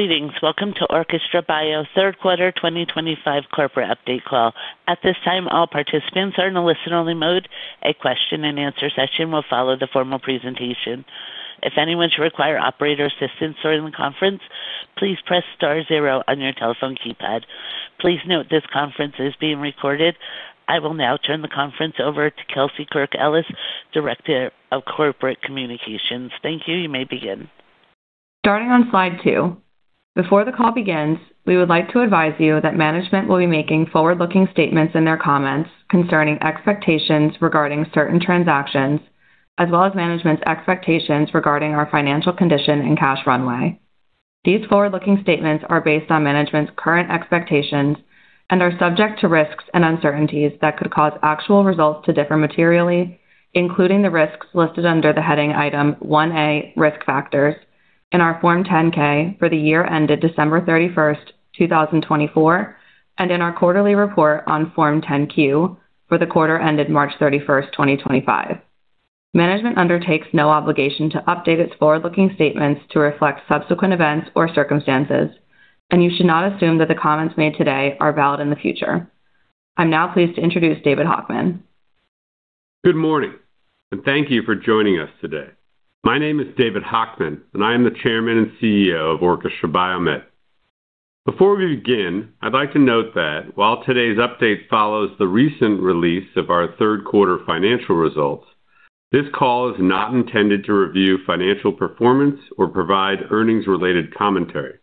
Greetings. Welcome to Orchestra BioMed's third quarter 2025 corporate update call. At this time, all participants are in a listen-only mode. A question-and-answer session will follow the formal presentation. If anyone should require operator assistance during the conference, please press star zero on your telephone keypad. Please note this conference is being recorded. I will now turn the conference over to Kelsey Kirk-Ellis, Director of Corporate Communications. Thank you. You may begin. Starting on slide two. Before the call begins, we would like to advise you that management will be making forward-looking statements in their comments concerning expectations regarding certain transactions, as well as management's expectations regarding our financial condition and cash runway. These forward-looking statements are based on management's current expectations and are subject to risks and uncertainties that could cause actual results to differ materially, including the risks listed under the heading item 1A, risk factors, in our Form 10-K for the year ended December 31st, 2024, and in our quarterly report on Form 10-Q for the quarter ended March 31st, 2025. Management undertakes no obligation to update its forward-looking statements to reflect subsequent events or circumstances, and you should not assume that the comments made today are valid in the future. I'm now pleased to introduce David Hochman. Good morning, and thank you for joining us today. My name is David Hochman, and I am the Chairman and CEO of Orchestra BioMed. Before we begin, I'd like to note that while today's update follows the recent release of our third quarter financial results, this call is not intended to review financial performance or provide earnings-related commentary,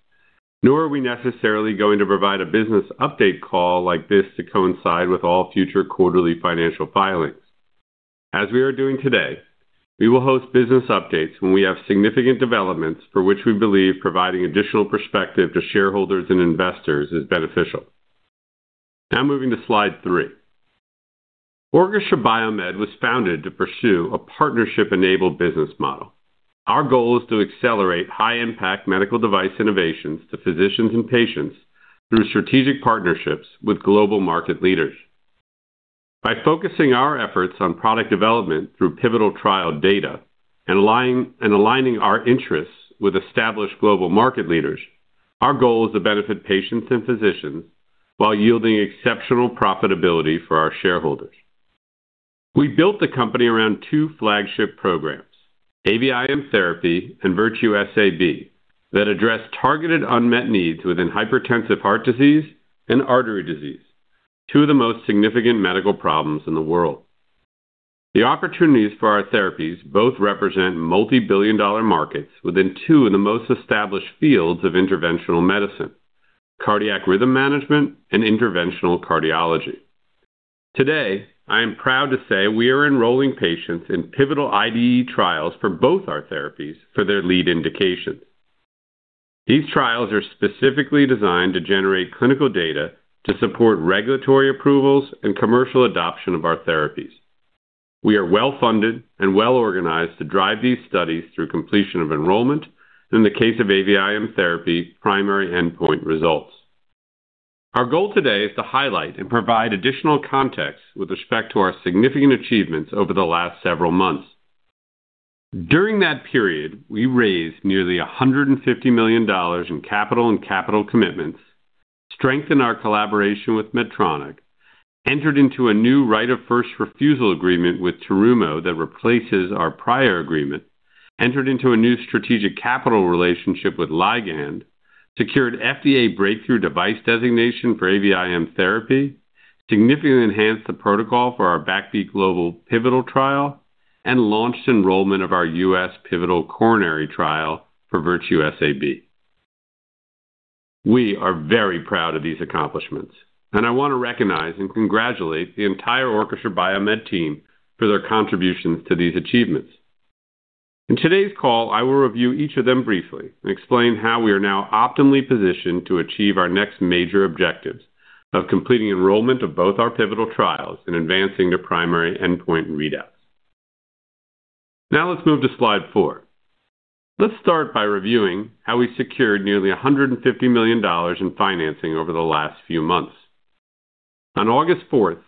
nor are we necessarily going to provide a business update call like this to coincide with all future quarterly financial filings. As we are doing today, we will host business updates when we have significant developments for which we believe providing additional perspective to shareholders and investors is beneficial. Now moving to slide three. Orchestra BioMed was founded to pursue a partnership-enabled business model. Our goal is to accelerate high-impact medical device innovations to physicians and patients through strategic partnerships with global market leaders. By focusing our efforts on product development through pivotal trial data and aligning our interests with established global market leaders, our goal is to benefit patients and physicians while yielding exceptional profitability for our shareholders. We built the company around two flagship programs, AVIM Therapy and Virtue SAB, that address targeted unmet needs within hypertensive heart disease and artery disease, two of the most significant medical problems in the world. The opportunities for our therapies both represent multi-billion dollar markets within two of the most established fields of interventional medicine: cardiac rhythm management and interventional cardiology. Today, I am proud to say we are enrolling patients in pivotal IDE trials for both our therapies for their lead indications. These trials are specifically designed to generate clinical data to support regulatory approvals and commercial adoption of our therapies. We are well-funded and well-organized to drive these studies through completion of enrollment and, in the case of AVIM Therapy, primary endpoint results. Our goal today is to highlight and provide additional context with respect to our significant achievements over the last several months. During that period, we raised nearly $150 million in capital and capital commitments, strengthened our collaboration with Medtronic, entered into a new right-of-first refusal agreement with Terumo that replaces our prior agreement, entered into a new strategic capital relationship with Ligand, secured FDA breakthrough device designation for AVIM Therapy, significantly enhanced the protocol for our BACKBEAT global pivotal trial, and launched enrollment of our U.S. pivotal coronary trial for Virtue SAB. We are very proud of these accomplishments, and I want to recognize and congratulate the entire Orchestra BioMed team for their contributions to these achievements. In today's call, I will review each of them briefly and explain how we are now optimally positioned to achieve our next major objectives of completing enrollment of both our pivotal trials and advancing to primary endpoint readouts. Now let's move to slide four. Let's start by reviewing how we secured nearly $150 million in financing over the last few months. On August 4th,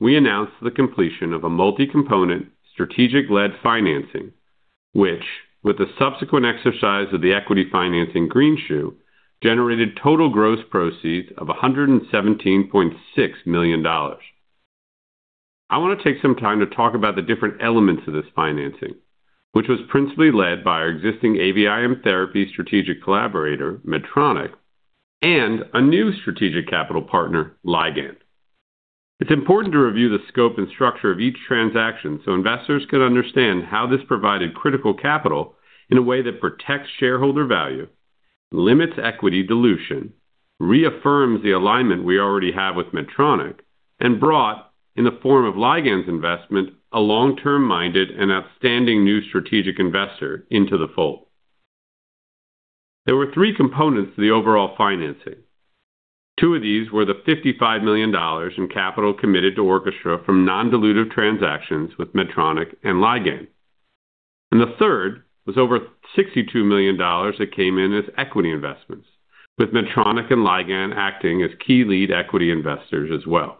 we announced the completion of a multi-component strategic-led financing, which, with the subsequent exercise of the equity financing green shoe, generated total gross proceeds of $117.6 million. I want to take some time to talk about the different elements of this financing, which was principally led by our existing AVIM Therapy strategic collaborator, Medtronic, and a new strategic capital partner, Ligand. It's important to review the scope and structure of each transaction so investors can understand how this provided critical capital in a way that protects shareholder value, limits equity dilution, reaffirms the alignment we already have with Medtronic, and brought, in the form of Ligand's investment, a long-term-minded and outstanding new strategic investor into the fold. There were three components to the overall financing. Two of these were the $55 million in capital committed to Orchestra from non-dilutive transactions with Medtronic and Ligand. The third was over $62 million that came in as equity investments, with Medtronic and Ligand acting as key lead equity investors as well.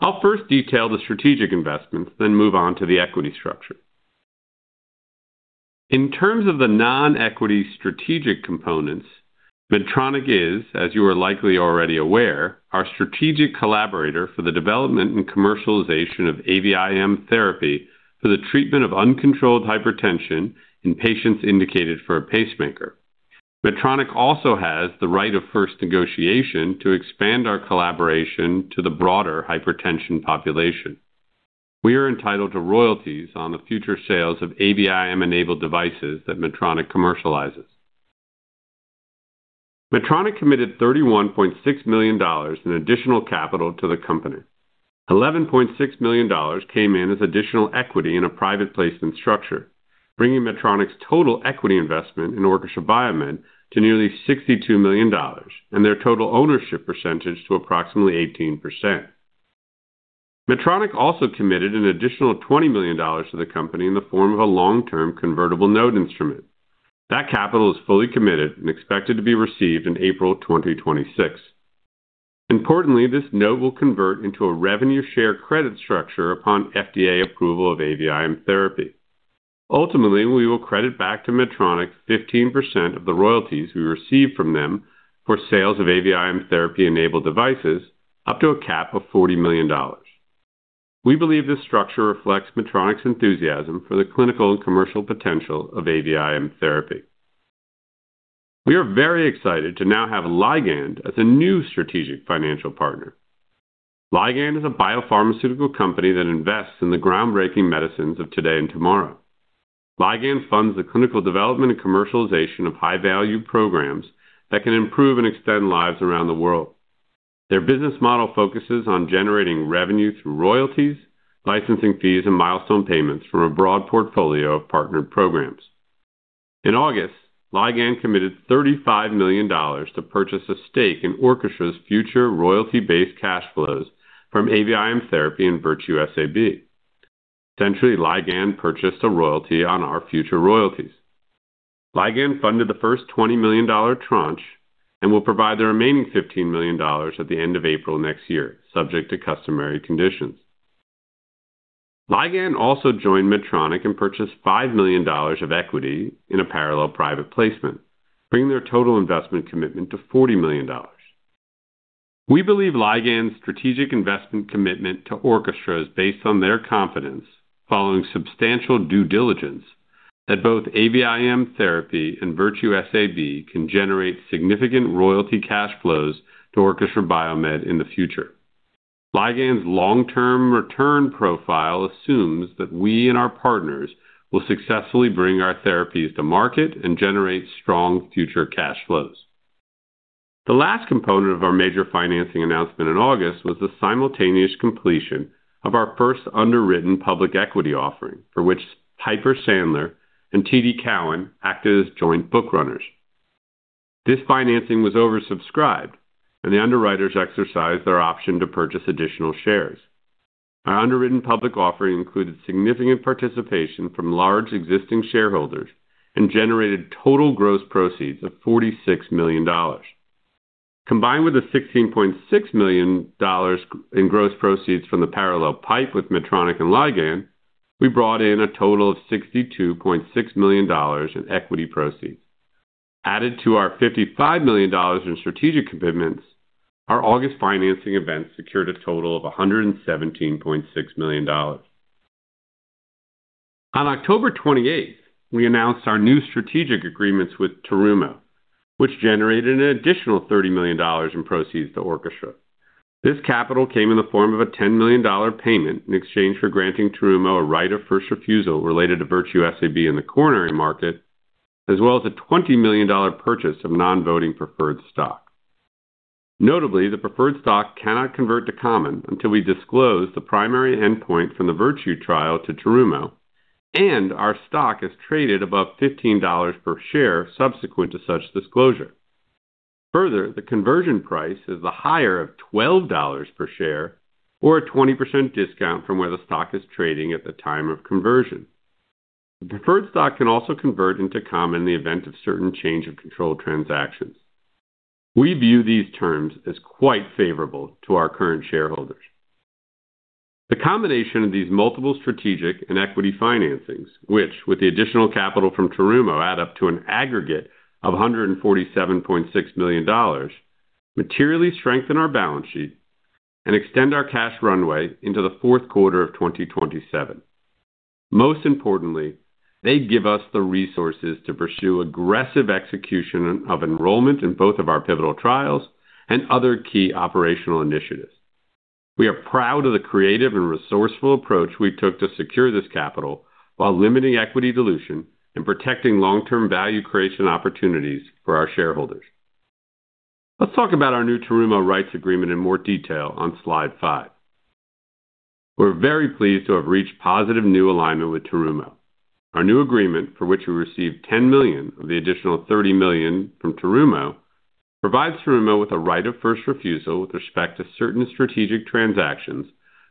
I'll first detail the strategic investments, then move on to the equity structure. In terms of the non-equity strategic components, Medtronic is, as you are likely already aware, our strategic collaborator for the development and commercialization of AVIM Therapy for the treatment of uncontrolled hypertension in patients indicated for a pacemaker. Medtronic also has the right-of-first negotiation to expand our collaboration to the broader hypertension population. We are entitled to royalties on the future sales of AVIM-enabled devices that Medtronic commercializes. Medtronic committed $31.6 million in additional capital to the company. $11.6 million came in as additional equity in a private placement structure, bringing Medtronic's total equity investment in Orchestra BioMed to nearly $62 million and their total ownership percentage to approximately 18%. Medtronic also committed an additional $20 million to the company in the form of a long-term convertible note instrument. That capital is fully committed and expected to be received in April 2026. Importantly, this note will convert into a revenue share credit structure upon FDA approval of AVIM Therapy. Ultimately, we will credit back to Medtronic 15% of the royalties we receive from them for sales of AVIM Therapy-enabled devices, up to a cap of $40 million. We believe this structure reflects Medtronic's enthusiasm for the clinical and commercial potential of AVIM Therapy. We are very excited to now have Ligand as a new strategic financial partner. Ligand is a biopharmaceutical company that invests in the groundbreaking medicines of today and tomorrow. Ligand funds the clinical development and commercialization of high-value programs that can improve and extend lives around the world. Their business model focuses on generating revenue through royalties, licensing fees, and milestone payments from a broad portfolio of partnered programs. In August, Ligand committed $35 million to purchase a stake in Orchestra's future royalty-based cash flows from AVIM Therapy and Virtue SAB. Essentially, Ligand purchased a royalty on our future royalties. Ligand funded the first $20 million tranche and will provide the remaining $15 million at the end of April next year, subject to customary conditions. Ligand also joined Medtronic and purchased $5 million of equity in a parallel private placement, bringing their total investment commitment to $40 million. We believe Ligand's strategic investment commitment to Orchestra is based on their confidence, following substantial due diligence, that both AVIM Therapy and Virtue SAB can generate significant royalty cash flows to Orchestra BioMed in the future. Ligand's long-term return profile assumes that we and our partners will successfully bring our therapies to market and generate strong future cash flows. The last component of our major financing announcement in August was the simultaneous completion of our first underwritten public equity offering, for which Piper Sandler and TD Cowen acted as joint bookrunners. This financing was oversubscribed, and the underwriters exercised their option to purchase additional shares. Our underwritten public offering included significant participation from large existing shareholders and generated total gross proceeds of $46 million. Combined with the $16.6 million in gross proceeds from the parallel pipe with Medtronic and Ligand, we brought in a total of $62.6 million in equity proceeds. Added to our $55 million in strategic commitments, our August financing events secured a total of $117.6 million. On October 28th, we announced our new strategic agreements with Terumo, which generated an additional $30 million in proceeds to Orchestra. This capital came in the form of a $10 million payment in exchange for granting Terumo a right-of-first refusal related to Virtue SAB in the coronary market, as well as a $20 million purchase of non-voting preferred stock. Notably, the preferred stock cannot convert to common until we disclose the primary endpoint from the Virtue Trial to Terumo, and our stock is traded above $15 per share subsequent to such disclosure. Further, the conversion price is the higher of $12 per share, or a 20% discount from where the stock is trading at the time of conversion. The preferred stock can also convert into common in the event of certain change of control transactions. We view these terms as quite favorable to our current shareholders. The combination of these multiple strategic and equity financings, which, with the additional capital from Terumo, add up to an aggregate of $147.6 million, materially strengthen our balance sheet and extend our cash runway into the fourth quarter of 2027. Most importantly, they give us the resources to pursue aggressive execution of enrollment in both of our pivotal trials and other key operational initiatives. We are proud of the creative and resourceful approach we took to secure this capital while limiting equity dilution and protecting long-term value creation opportunities for our shareholders. Let's talk about our new Terumo rights agreement in more detail on slide five. We're very pleased to have reached positive new alignment with Terumo. Our new agreement, for which we received $10 million of the additional $30 million from Terumo, provides Terumo with a right-of-first refusal with respect to certain strategic transactions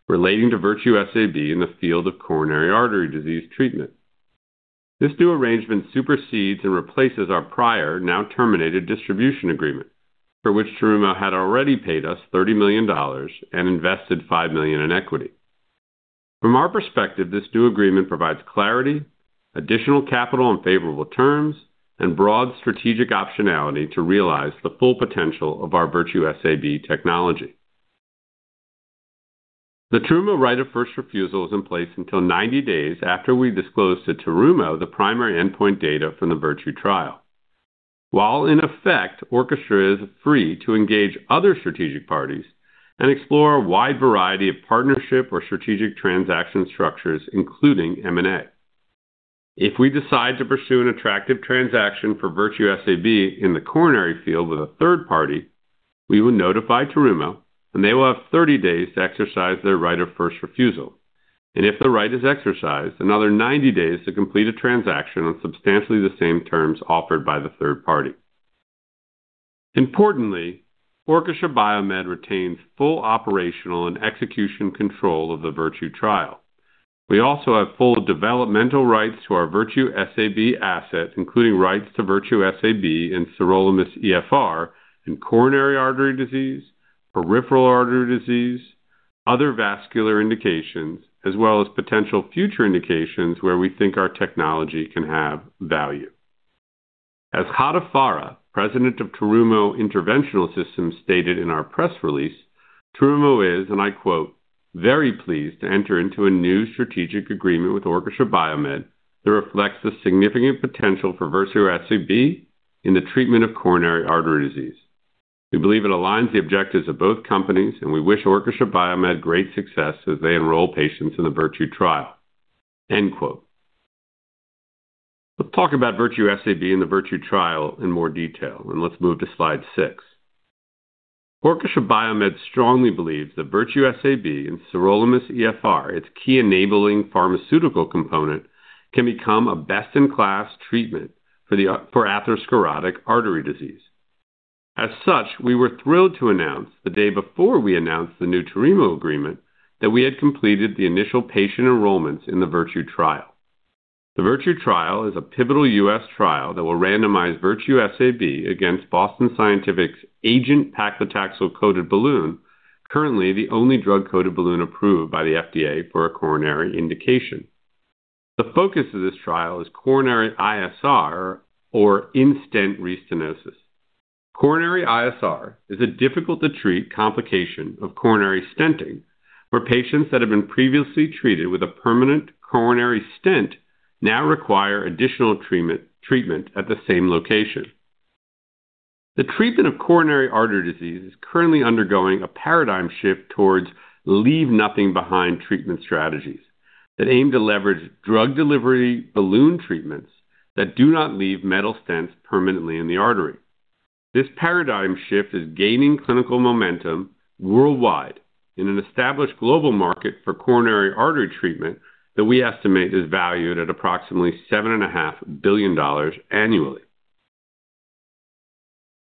relating to Virtue SAB in the field of coronary artery disease treatment. This new arrangement supersedes and replaces our prior, now terminated, distribution agreement, for which Terumo had already paid us $30 million and invested $5 million in equity. From our perspective, this new agreement provides clarity, additional capital on favorable terms, and broad strategic optionality to realize the full potential of our Virtue SAB technology. The Terumo right-of-first refusal is in place until 90 days after we disclose to Terumo the primary endpoint data from the Virtue Trial. While in effect, Orchestra is free to engage other strategic parties and explore a wide variety of partnership or strategic transaction structures, including M&A. If we decide to pursue an attractive transaction for Virtue SAB in the coronary field with a third party, we will notify Terumo, and they will have 30 days to exercise their right-of-first refusal. If the right is exercised, another 90 days to complete a transaction on substantially the same terms offered by the third party. Importantly, Orchestra BioMed retains full operational and execution control of the Virtue Trial. We also have full developmental rights to our Virtue SAB asset, including rights to Virtue SAB and SirolimusEFR in coronary artery disease, peripheral artery disease, other vascular indications, as well as potential future indications where we think our technology can have value. As Ghada Farah, President of Terumo Interventional Systems, stated in our press release, Terumo is, and I quote, "very pleased to enter into a new strategic agreement with Orchestra BioMed that reflects the significant potential for Virtue SAB in the treatment of coronary artery disease. We believe it aligns the objectives of both companies, and we wish Orchestra BioMed great success as they enroll patients in the Virtue Trial." End quote. Let's talk about Virtue SAB and the Virtue Trial in more detail, and let's move to slide six. Orchestra BioMed strongly believes that Virtue SAB and SirolimusEFR, its key enabling pharmaceutical component, can become a best-in-class treatment for atherosclerotic artery disease. As such, we were thrilled to announce the day before we announced the new Terumo agreement that we had completed the initial patient enrollments in the Virtue Trial. The Virtue Trial is a pivotal U.S. trial that will randomize Virtue SAB against Boston Scientific's AGENT Paclitaxel-Coated Balloon, currently the only drug-coated balloon approved by the FDA for a coronary indication. The focus of this trial is coronary ISR, or in-stent restenosis. Coronary ISR is a difficult-to-treat complication of coronary stenting, where patients that have been previously treated with a permanent coronary stent now require additional treatment at the same location. The treatment of coronary artery disease is currently undergoing a paradigm shift towards leave-nothing-behind treatment strategies that aim to leverage drug-delivery balloon treatments that do not leave metal stents permanently in the artery. This paradigm shift is gaining clinical momentum worldwide in an established global market for coronary artery treatment that we estimate is valued at approximately $7.5 billion annually.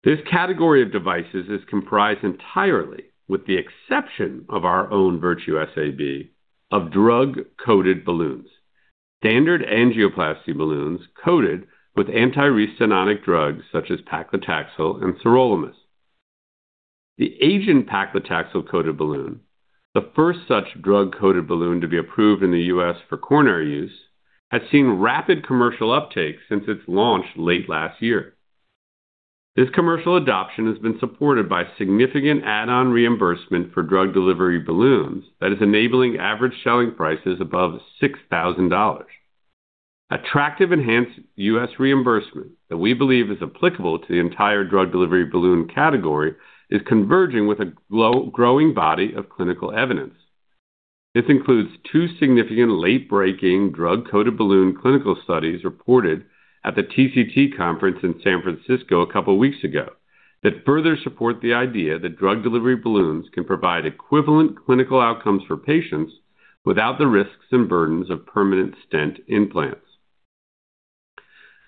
This category of devices is comprised entirely, with the exception of our own Virtue SAB, of drug-coated balloons, standard angioplasty balloons coated with anti-restenotic drugs such as paclitaxel and sirolimus. The AGENT Paclitaxel-Coated Balloon, the first such drug-coated balloon to be approved in the U.S. for coronary use, has seen rapid commercial uptake since its launch late last year. This commercial adoption has been supported by significant add-on reimbursement for drug-delivery balloons that is enabling average selling prices above $6,000. Attractive enhanced U.S. reimbursement that we believe is applicable to the entire drug-delivery balloon category is converging with a growing body of clinical evidence. This includes two significant late-breaking drug-coated balloon clinical studies reported at the TCT conference in San Francisco a couple of weeks ago that further support the idea that drug-delivery balloons can provide equivalent clinical outcomes for patients without the risks and burdens of permanent stent implants.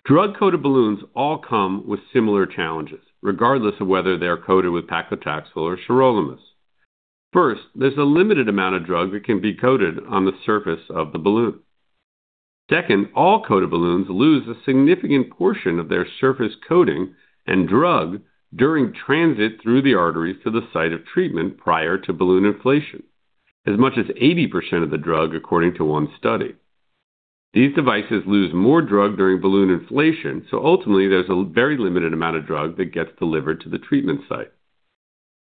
Drug-coated balloons all come with similar challenges, regardless of whether they are coated with paclitaxel or sirolimus. First, there's a limited amount of drug that can be coated on the surface of the balloon. Second, all coated balloons lose a significant portion of their surface coating and drug during transit through the arteries to the site of treatment prior to balloon inflation, as much as 80% of the drug, according to one study. These devices lose more drug during balloon inflation, so ultimately, there's a very limited amount of drug that gets delivered to the treatment site.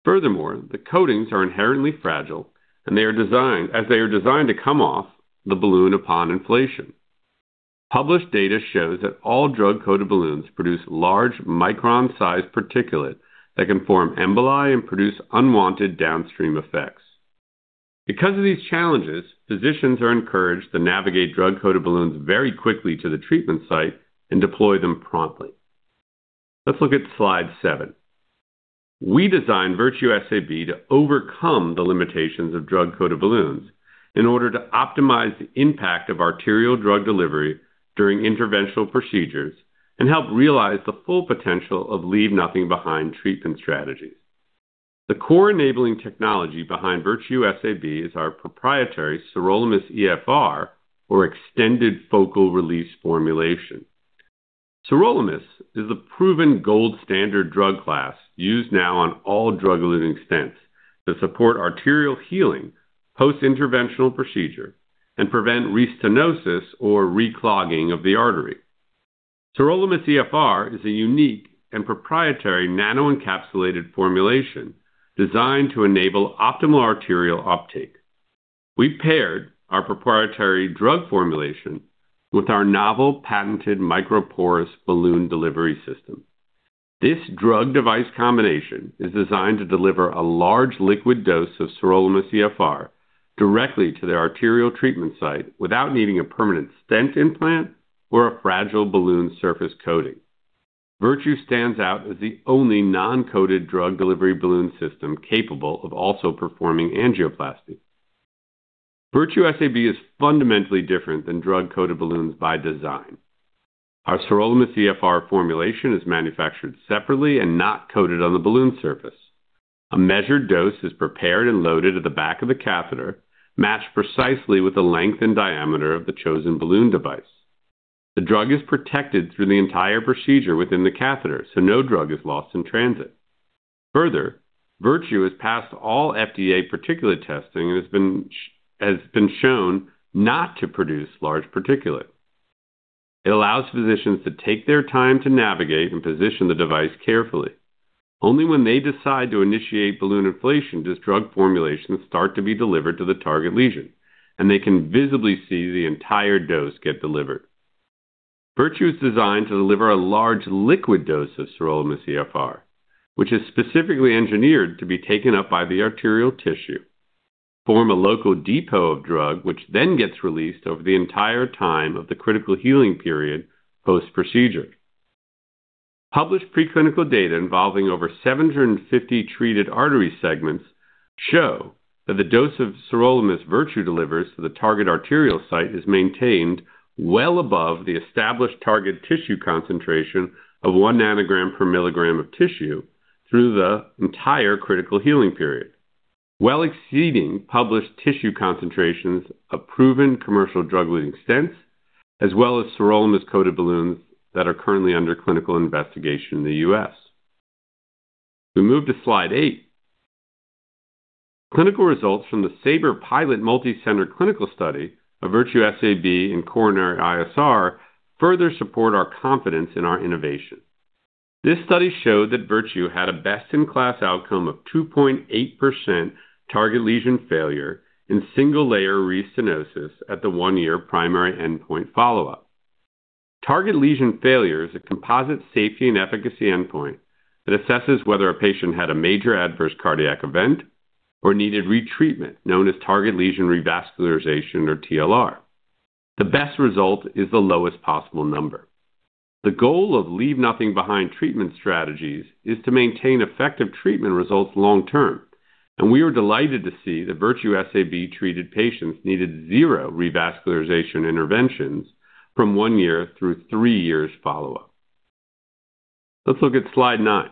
Furthermore, the coatings are inherently fragile, and they are designed as they are designed to come off the balloon upon inflation. Published data shows that all drug-coated balloons produce large micron-sized particulate that can form emboli and produce unwanted downstream effects. Because of these challenges, physicians are encouraged to navigate drug-coated balloons very quickly to the treatment site and deploy them promptly. Let's look at slide seven. We designed Virtue SAB to overcome the limitations of drug-coated balloons in order to optimize the impact of arterial drug delivery during interventional procedures and help realize the full potential of leave-nothing-behind treatment strategies. The core enabling technology behind Virtue SAB is our proprietary SirolimusEFR, or extended focal release formulation. Sirolimus is the proven gold standard drug class used now on all drug-eluting stents to support arterial healing post-interventional procedure and prevent restenosis or reclogging of the artery. SirolimusEFR is a unique and proprietary nano-encapsulated formulation designed to enable optimal arterial uptake. We paired our proprietary drug formulation with our novel patented microporous balloon delivery system. This drug-device combination is designed to deliver a large liquid dose of SirolimusEFR directly to the arterial treatment site without needing a permanent stent implant or a fragile balloon surface coating. Virtue stands out as the only non-coated drug delivery balloon system capable of also performing angioplasty. Virtue SAB is fundamentally different than drug-coated balloons by design. Our SirolimusEFR formulation is manufactured separately and not coated on the balloon surface. A measured dose is prepared and loaded at the back of the catheter, matched precisely with the length and diameter of the chosen balloon device. The drug is protected through the entire procedure within the catheter, so no drug is lost in transit. Further, Virtue has passed all FDA particulate testing and has been shown not to produce large particulate. It allows physicians to take their time to navigate and position the device carefully. Only when they decide to initiate balloon inflation does drug formulation start to be delivered to the target lesion, and they can visibly see the entire dose get delivered. Virtue is designed to deliver a large liquid dose of SirolimusEFR, which is specifically engineered to be taken up by the arterial tissue, form a local depot of drug, which then gets released over the entire time of the critical healing period post-procedure. Published preclinical data involving over 750 treated artery segments show that the dose of Sirolimus Virtue delivers to the target arterial site is maintained well above the established target tissue concentration of 1 nanogram per milligram of tissue through the entire critical healing period, well exceeding published tissue concentrations of proven commercial drug-eluting stents, as well as Sirolimus-coated balloons that are currently under clinical investigation in the U.S. We move to slide eight. Clinical results from the SABRE pilot multicenter clinical study of Virtue SAB in coronary ISR further support our confidence in our innovation. This study showed that Virtue had a best-in-class outcome of 2.8% target lesion failure in single-layer restenosis at the one-year primary endpoint follow-up. Target lesion failure is a composite safety and efficacy endpoint that assesses whether a patient had a major adverse cardiac event or needed retreatment known as target lesion revascularization, or TLR. The best result is the lowest possible number. The goal of leave-nothing-behind treatment strategies is to maintain effective treatment results long-term, and we were delighted to see that Virtue SAB treated patients needed zero revascularization interventions from one year through three years follow-up. Let's look at slide nine.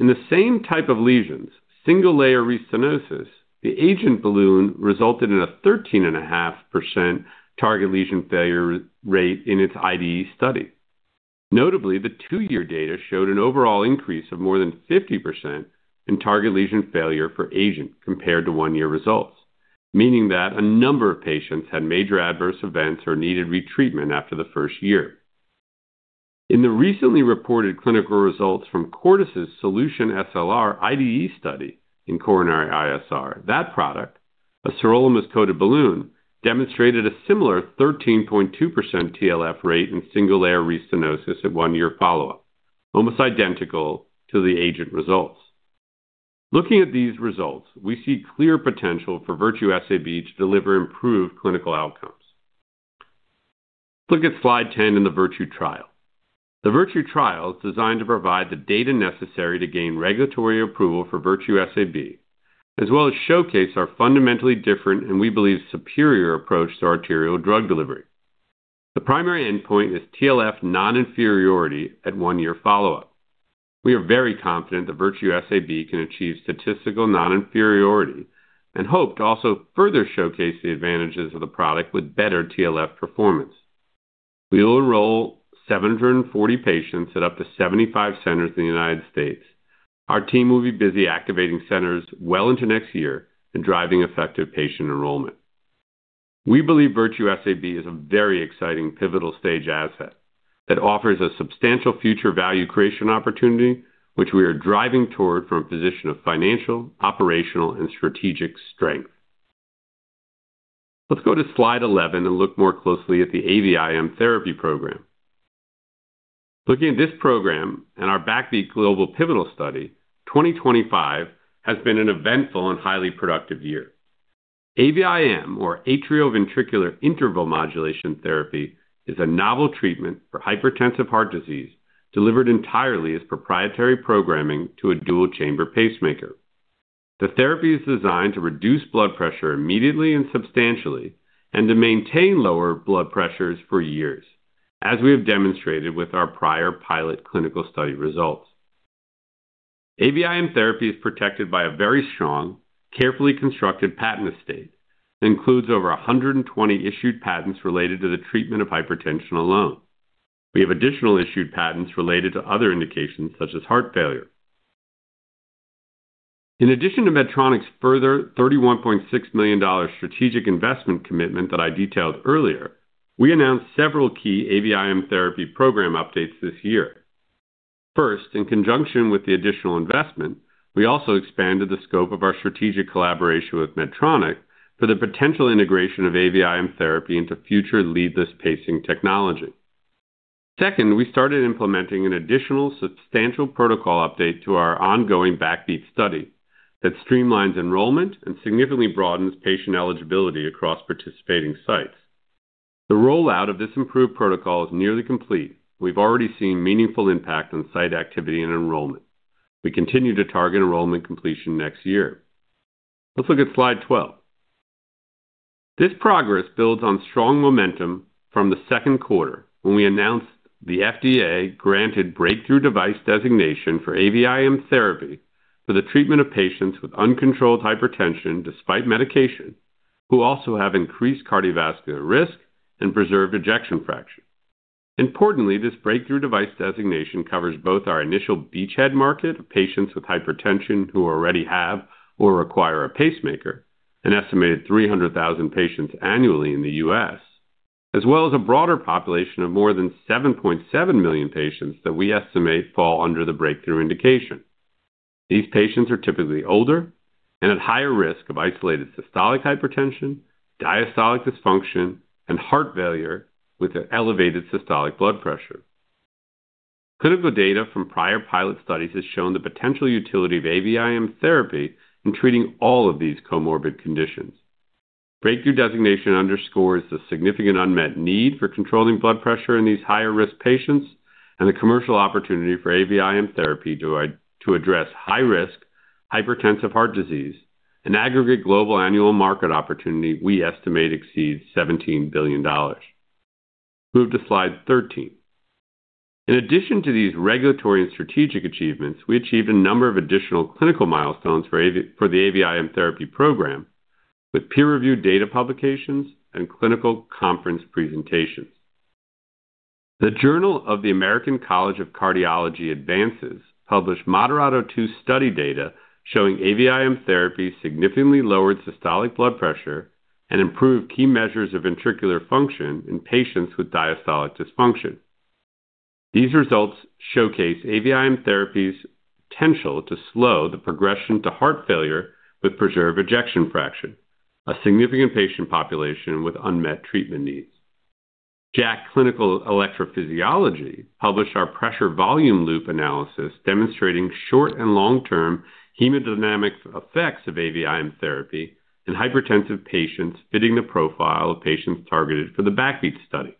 In the same type of lesions, single-layer restenosis, the AGENT balloon resulted in a 13.5% target lesion failure rate in its IDE study. Notably, the two-year data showed an overall increase of more than 50% in target lesion failure for AGENT compared to one-year results, meaning that a number of patients had major adverse events or needed retreatment after the first year. In the recently reported clinical results from Cordis' SELUTION SLR IDE study in coronary in-stent restenosis, that product, a sirolimus-coated balloon, demonstrated a similar 13.2% TLF rate in single-layer restenosis at one-year follow-up, almost identical to the AGENT results. Looking at these results, we see clear potential for Virtue SAB to deliver improved clinical outcomes. Look at slide 10 in the Virtue Trial. The Virtue Trial is designed to provide the data necessary to gain regulatory approval for Virtue SAB, as well as showcase our fundamentally different and we believe superior approach to arterial drug delivery. The primary endpoint is TLF non-inferiority at one-year follow-up. We are very confident that Virtue SAB can achieve statistical non-inferiority and hope to also further showcase the advantages of the product with better TLF performance. We will enroll 740 patients at up to 75 centers in the United States. Our team will be busy activating centers well into next year and driving effective patient enrollment. We believe Virtue SAB is a very exciting pivotal stage asset that offers a substantial future value creation opportunity, which we are driving toward from a position of financial, operational, and strategic strength. Let's go to slide 11 and look more closely at the AVIM Therapy program. Looking at this program and our BACKBEAT global pivotal study, 2025 has been an eventful and highly productive year. AVIM, or Atrioventricular Interval Modulation Therapy, is a novel treatment for hypertensive heart disease delivered entirely as proprietary programming to a dual-chamber pacemaker. The therapy is designed to reduce blood pressure immediately and substantially and to maintain lower blood pressures for years, as we have demonstrated with our prior pilot clinical study results. AVIM Therapy is protected by a very strong, carefully constructed patent estate that includes over 120 issued patents related to the treatment of hypertension alone. We have additional issued patents related to other indications such as heart failure. In addition to Medtronic's further $31.6 million strategic investment commitment that I detailed earlier, we announced several key AVIM Therapy program updates this year. First, in conjunction with the additional investment, we also expanded the scope of our strategic collaboration with Medtronic for the potential integration of AVIM Therapy into future leadless pacing technology. Second, we started implementing an additional substantial protocol update to our ongoing BACKBEAT study that streamlines enrollment and significantly broadens patient eligibility across participating sites. The rollout of this improved protocol is nearly complete, and we've already seen meaningful impact on site activity and enrollment. We continue to target enrollment completion next year. Let's look at slide 12. This progress builds on strong momentum from the second quarter when we announced the FDA-granted breakthrough device designation for AVIM Therapy for the treatment of patients with uncontrolled hypertension despite medication who also have increased cardiovascular risk and preserved ejection fraction. Importantly, this breakthrough device designation covers both our initial beachhead market of patients with hypertension who already have or require a pacemaker, an estimated 300,000 patients annually in the U.S., as well as a broader population of more than 7.7 million patients that we estimate fall under the breakthrough indication. These patients are typically older and at higher risk of isolated systolic hypertension, diastolic dysfunction, and heart failure with elevated systolic blood pressure. Clinical data from prior pilot studies has shown the potential utility of AVIM Therapy in treating all of these comorbid conditions. Breakthrough designation underscores the significant unmet need for controlling blood pressure in these higher-risk patients and the commercial opportunity for AVIM Therapy to address high-risk hypertensive heart disease, an aggregate global annual market opportunity we estimate exceeds $17 billion. Move to slide 13. In addition to these regulatory and strategic achievements, we achieved a number of additional clinical milestones for the AVIM Therapy program with peer-reviewed data publications and clinical conference presentations. The Journal of the American College of Cardiology Advances published MODERATO II study data showing AVIM Therapy significantly lowered systolic blood pressure and improved key measures of ventricular function in patients with diastolic dysfunction. These results showcase AVIM Therapy's potential to slow the progression to heart failure with preserved ejection fraction, a significant patient population with unmet treatment needs. JACC Clinical Electrophysiology published our pressure volume loop analysis demonstrating short and long-term hemodynamic effects of AVIM Therapy in hypertensive patients fitting the profile of patients targeted for the BACKBEAT study.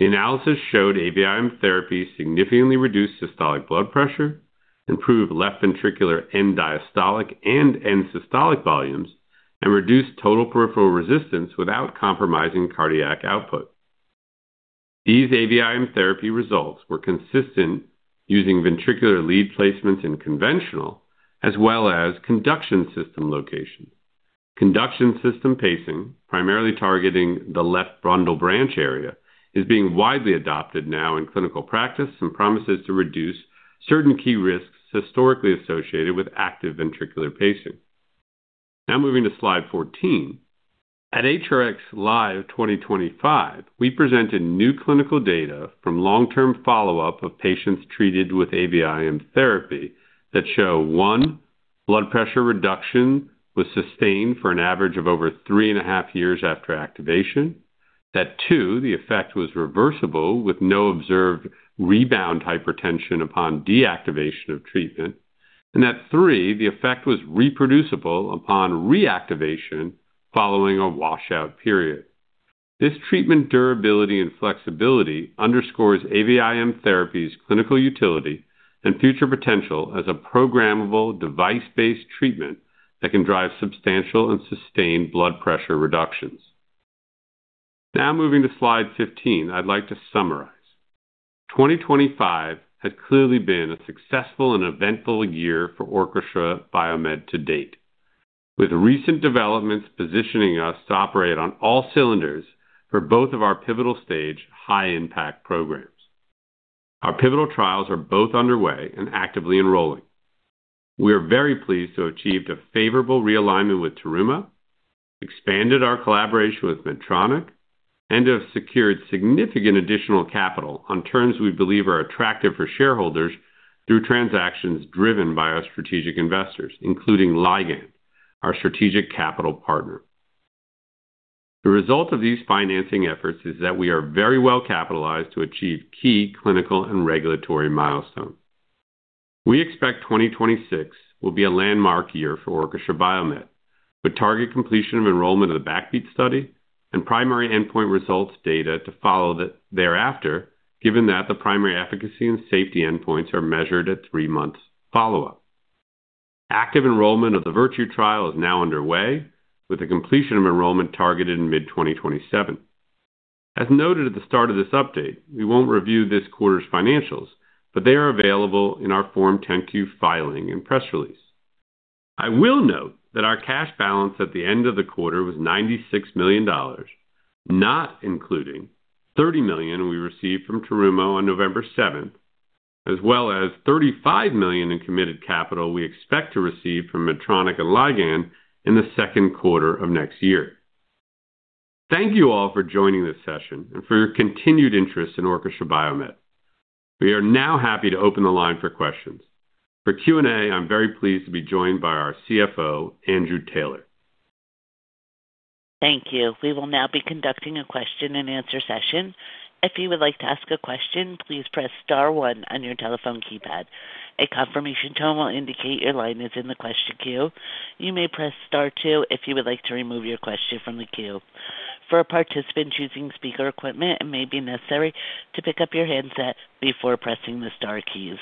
The analysis showed AVIM Therapy significantly reduced systolic blood pressure, improved left ventricular end-diastolic and end-systolic volumes, and reduced total peripheral resistance without compromising cardiac output. These AVIM Therapy results were consistent using ventricular lead placements in conventional as well as conduction system locations. Conduction system pacing, primarily targeting the left bundle branch area, is being widely adopted now in clinical practice and promises to reduce certain key risks historically associated with active ventricular pacing. Now moving to slide 14. At HRX Live 2025, we presented new clinical data from long-term follow-up of patients treated with AVIM Therapy that show, one, blood pressure reduction was sustained for an average of over three and a half years after activation, that two, the effect was reversible with no observed rebound hypertension upon deactivation of treatment, and that three, the effect was reproducible upon reactivation following a washout period. This treatment durability and flexibility underscores AVIM Therapy's clinical utility and future potential as a programmable device-based treatment that can drive substantial and sustained blood pressure reductions. Now moving to slide 15, I'd like to summarize. 2025 has clearly been a successful and eventful year for Orchestra BioMed to date, with recent developments positioning us to operate on all cylinders for both of our pivotal stage high-impact programs. Our pivotal trials are both underway and actively enrolling. We are very pleased to have achieved a favorable realignment with Terumo, expanded our collaboration with Medtronic, and have secured significant additional capital on terms we believe are attractive for shareholders through transactions driven by our strategic investors, including Ligand, our strategic capital partner. The result of these financing efforts is that we are very well capitalized to achieve key clinical and regulatory milestones. We expect 2026 will be a landmark year for Orchestra BioMed, with target completion of enrollment of the BACKBEAT study and primary endpoint results data to follow thereafter, given that the primary efficacy and safety endpoints are measured at three months follow-up. Active enrollment of the Virtue Trial is now underway, with the completion of enrollment targeted in mid-2027. As noted at the start of this update, we won't review this quarter's financials, but they are available in our Form 10-Q filing and press release. I will note that our cash balance at the end of the quarter was $96 million, not including $30 million we received from Terumo on November 7th, as well as $35 million in committed capital we expect to receive from Medtronic and Ligand in the second quarter of next year. Thank you all for joining this session and for your continued interest in Orchestra BioMed. We are now happy to open the line for questions. For Q&A, I'm very pleased to be joined by our CFO, Andrew Taylor. Thank you. We will now be conducting a question-and-answer session. If you would like to ask a question, please press star one on your telephone keypad. A confirmation tone will indicate your line is in the question queue. You may press star two if you would like to remove your question from the queue. For a participant choosing speaker equipment, it may be necessary to pick up your handset before pressing the star keys.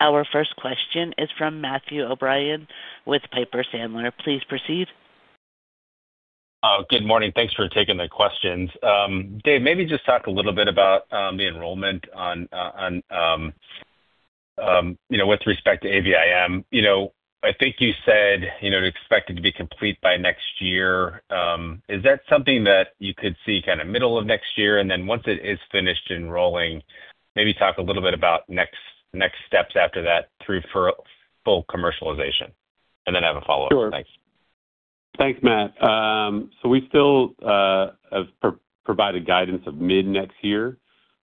Our first question is from Matthew O'Brien with Piper Sandler. Please proceed. Good morning. Thanks for taking the questions. David, maybe just talk a little bit about the enrollment with respect to AVIM. I think you said you expected to be complete by next year. Is that something that you could see kind of middle of next year? Once it is finished enrolling, maybe talk a little bit about next steps after that through full commercialization, and then have a follow-up. Thanks. Sure. Thanks, Matt. We still have provided guidance of mid-next year.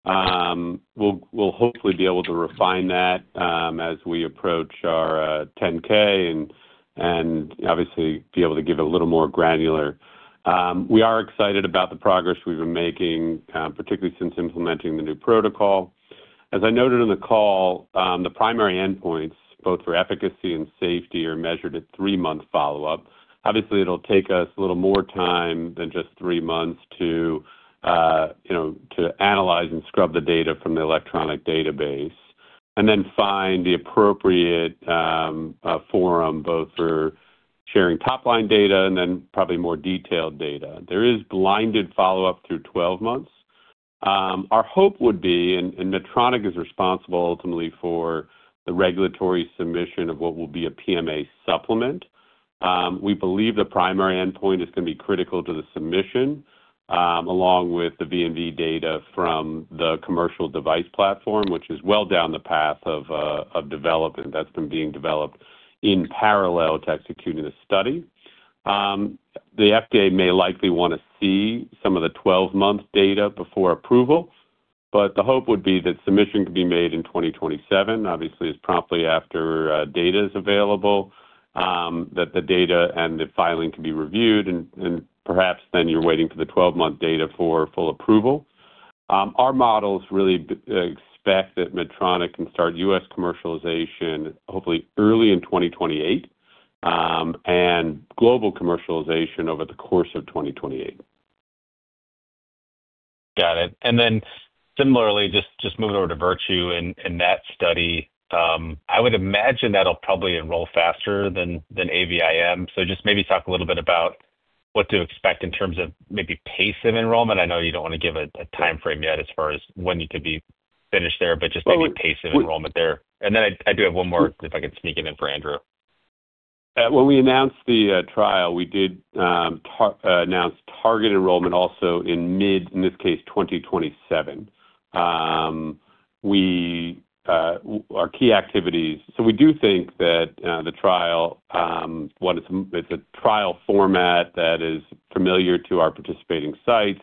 We will hopefully be able to refine that as we approach our 10-K and obviously be able to give it a little more granular. We are excited about the progress we've been making, particularly since implementing the new protocol. As I noted in the call, the primary endpoints, both for efficacy and safety, are measured at three-month follow-up. Obviously, it'll take us a little more time than just three months to analyze and scrub the data from the electronic database and then find the appropriate forum both for sharing top-line data and then probably more detailed data. There is blinded follow-up through 12 months. Our hope would be, and Medtronic is responsible ultimately for the regulatory submission of what will be a PMA supplement, we believe the primary endpoint is going to be critical to the submission along with the V&V data from the commercial device platform, which is well down the path of development that's been being developed in parallel to executing the study. The FDA may likely want to see some of the 12-month data before approval, but the hope would be that submission could be made in 2027, obviously as promptly after data is available, that the data and the filing can be reviewed, and perhaps then you're waiting for the 12-month data for full approval. Our models really expect that Medtronic can start U.S. commercialization hopefully early in 2028 and global commercialization over the course of 2028. Got it. And then similarly, just moving over to Virtue and that study, I would imagine that'll probably enroll faster than AVIM. So just maybe talk a little bit about what to expect in terms of maybe pace of enrollment. I know you don't want to give a timeframe yet as far as when you could be finished there, but just maybe pace of enrollment there. I do have one more if I can sneak it in for Andrew. When we announced the trial, we did announce target enrollment also in mid, in this case, 2027. Our key activities. We do think that the trial is a trial format that is familiar to our participating sites.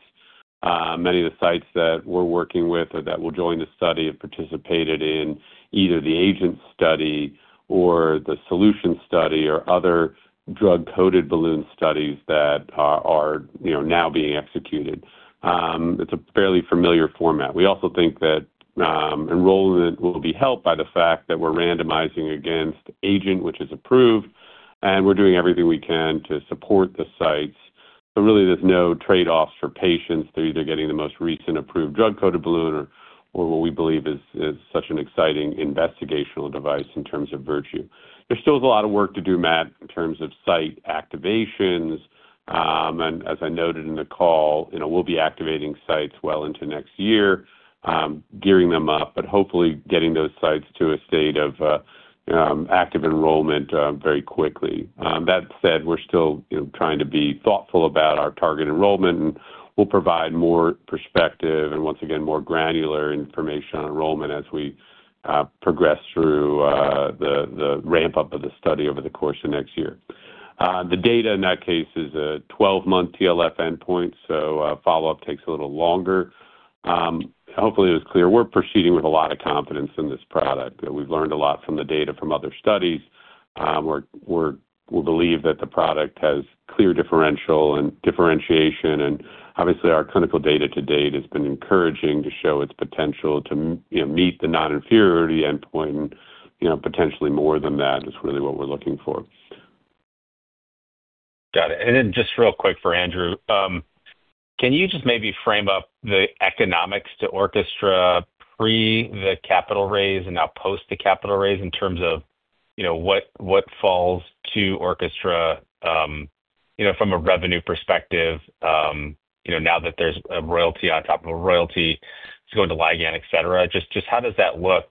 Many of the sites that we are working with or that will join the study have participated in either the AGENT study or the SELUTION study or other drug-coated balloon studies that are now being executed. It is a fairly familiar format. We also think that enrollment will be helped by the fact that we are randomizing against AGENT, which is approved, and we are doing everything we can to support the sites. There are really no trade-offs for patients. They're either getting the most recent approved drug-coated balloon or what we believe is such an exciting investigational device in terms of Virtue. There is still a lot of work to do, Matt, in terms of site activations. As I noted in the call, we will be activating sites well into next year, gearing them up, but hopefully getting those sites to a state of active enrollment very quickly. That said, we are still trying to be thoughtful about our target enrollment, and we will provide more perspective and, once again, more granular information on enrollment as we progress through the ramp-up of the study over the course of next year. The data in that case is a 12-month TLF endpoint, so follow-up takes a little longer. Hopefully, it was clear. We are proceeding with a lot of confidence in this product. We have learned a lot from the data from other studies. We believe that the product has clear differential and differentiation. Obviously, our clinical data to date has been encouraging to show its potential to meet the non-inferiority endpoint, and potentially more than that is really what we're looking for. Got it. Real quick for Andrew, can you just maybe frame up the economics to Orchestra pre the capital raise and now post the capital raise in terms of what falls to Orchestra from a revenue perspective now that there's a royalty on top of a royalty going to Ligand, etc.? Just how does that look?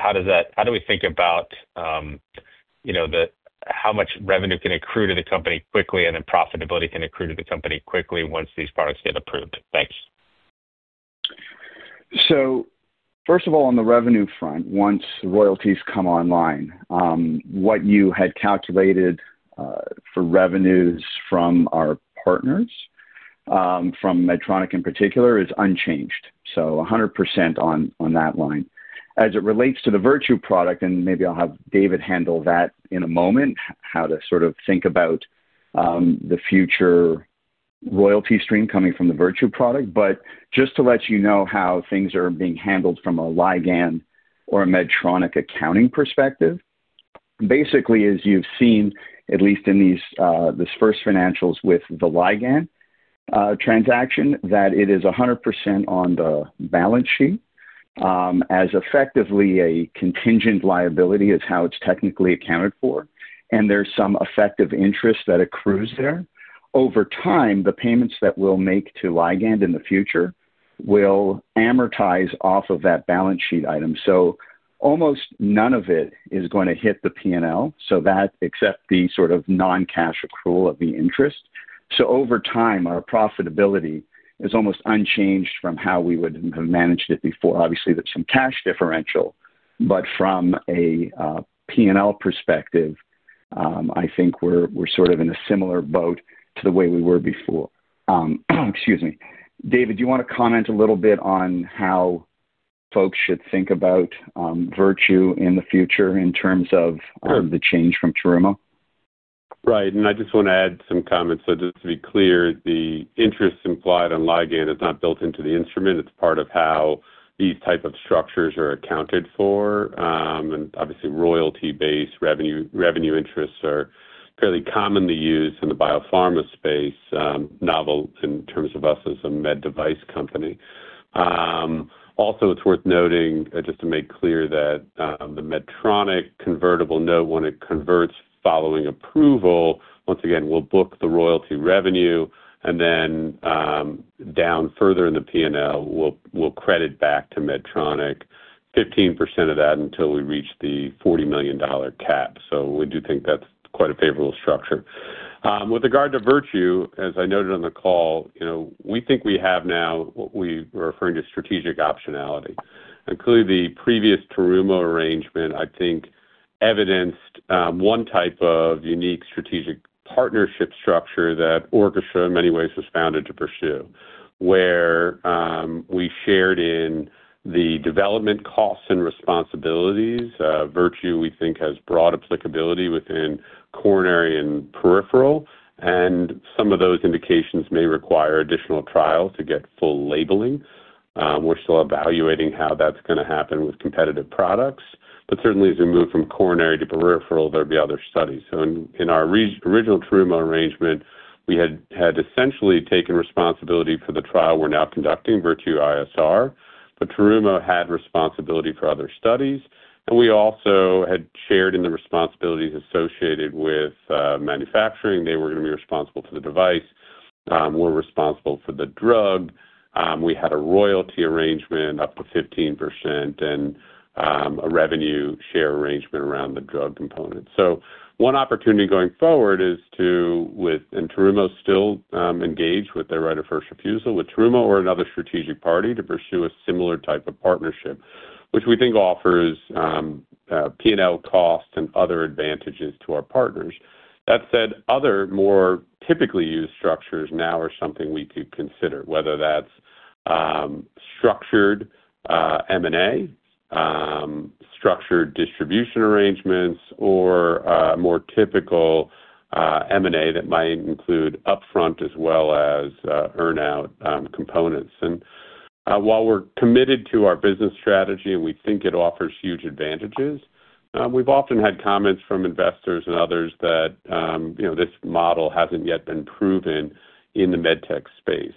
How do we think about how much revenue can accrue to the company quickly and then profitability can accrue to the company quickly once these products get approved? Thanks. First of all, on the revenue front, once royalties come online, what you had calculated for revenues from our partners, from Medtronic in particular, is unchanged. 100% on that line. As it relates to the Virtue product, and maybe I'll have David handle that in a moment, how to sort of think about the future royalty stream coming from the Virtue product. Just to let you know how things are being handled from a Ligand or a Medtronic accounting perspective, basically, as you've seen, at least in this first financials with the Ligand transaction, it is 100% on the balance sheet as effectively a contingent liability is how it's technically accounted for. There's some effective interest that accrues there. Over time, the payments that we'll make to Ligand in the future will amortize off of that balance sheet item. Almost none of it is going to hit the P&L, except the sort of non-cash accrual of the interest. Over time, our profitability is almost unchanged from how we would have managed it before. Obviously, there is some cash differential, but from a P&L perspective, I think we are sort of in a similar boat to the way we were before. Excuse me. David, do you want to comment a little bit on how folks should think about Virtue in the future in terms of the change from Terumo? Right. I just want to add some comments. Just to be clear, the interest implied on Ligand is not built into the instrument. It is part of how these types of structures are accounted for. Obviously, royalty-based revenue interests are fairly commonly used in the biopharma space, novel in terms of us as a med device company. Also, it's worth noting, just to make clear, that the Medtronic convertible note, when it converts following approval, once again, we'll book the royalty revenue, and then down further in the P&L, we'll credit back to Medtronic 15% of that until we reach the $40 million cap. We do think that's quite a favorable structure. With regard to Virtue, as I noted on the call, we think we have now what we were referring to as strategic optionality. Clearly, the previous Terumo arrangement, I think, evidenced one type of unique strategic partnership structure that Orchestra in many ways was founded to pursue, where we shared in the development costs and responsibilities. Virtue, we think, has broad applicability within coronary and peripheral. Some of those indications may require additional trials to get full labeling. We're still evaluating how that's going to happen with competitive products. Certainly, as we move from coronary to peripheral, there will be other studies. In our original Terumo arrangement, we had essentially taken responsibility for the trial we're now conducting, Virtue ISR. Terumo had responsibility for other studies. We also had shared in the responsibilities associated with manufacturing. They were going to be responsible for the device. We're responsible for the drug. We had a royalty arrangement up to 15% and a revenue share arrangement around the drug component. One opportunity going forward is to, and Terumo is still engaged with their right of first refusal with Terumo or another strategic party to pursue a similar type of partnership, which we think offers P&L costs and other advantages to our partners. That said, other more typically used structures now are something we could consider, whether that's structured M&A, structured distribution arrangements, or more typical M&A that might include upfront as well as earn-out components. While we're committed to our business strategy and we think it offers huge advantages, we've often had comments from investors and others that this model hasn't yet been proven in the med tech space.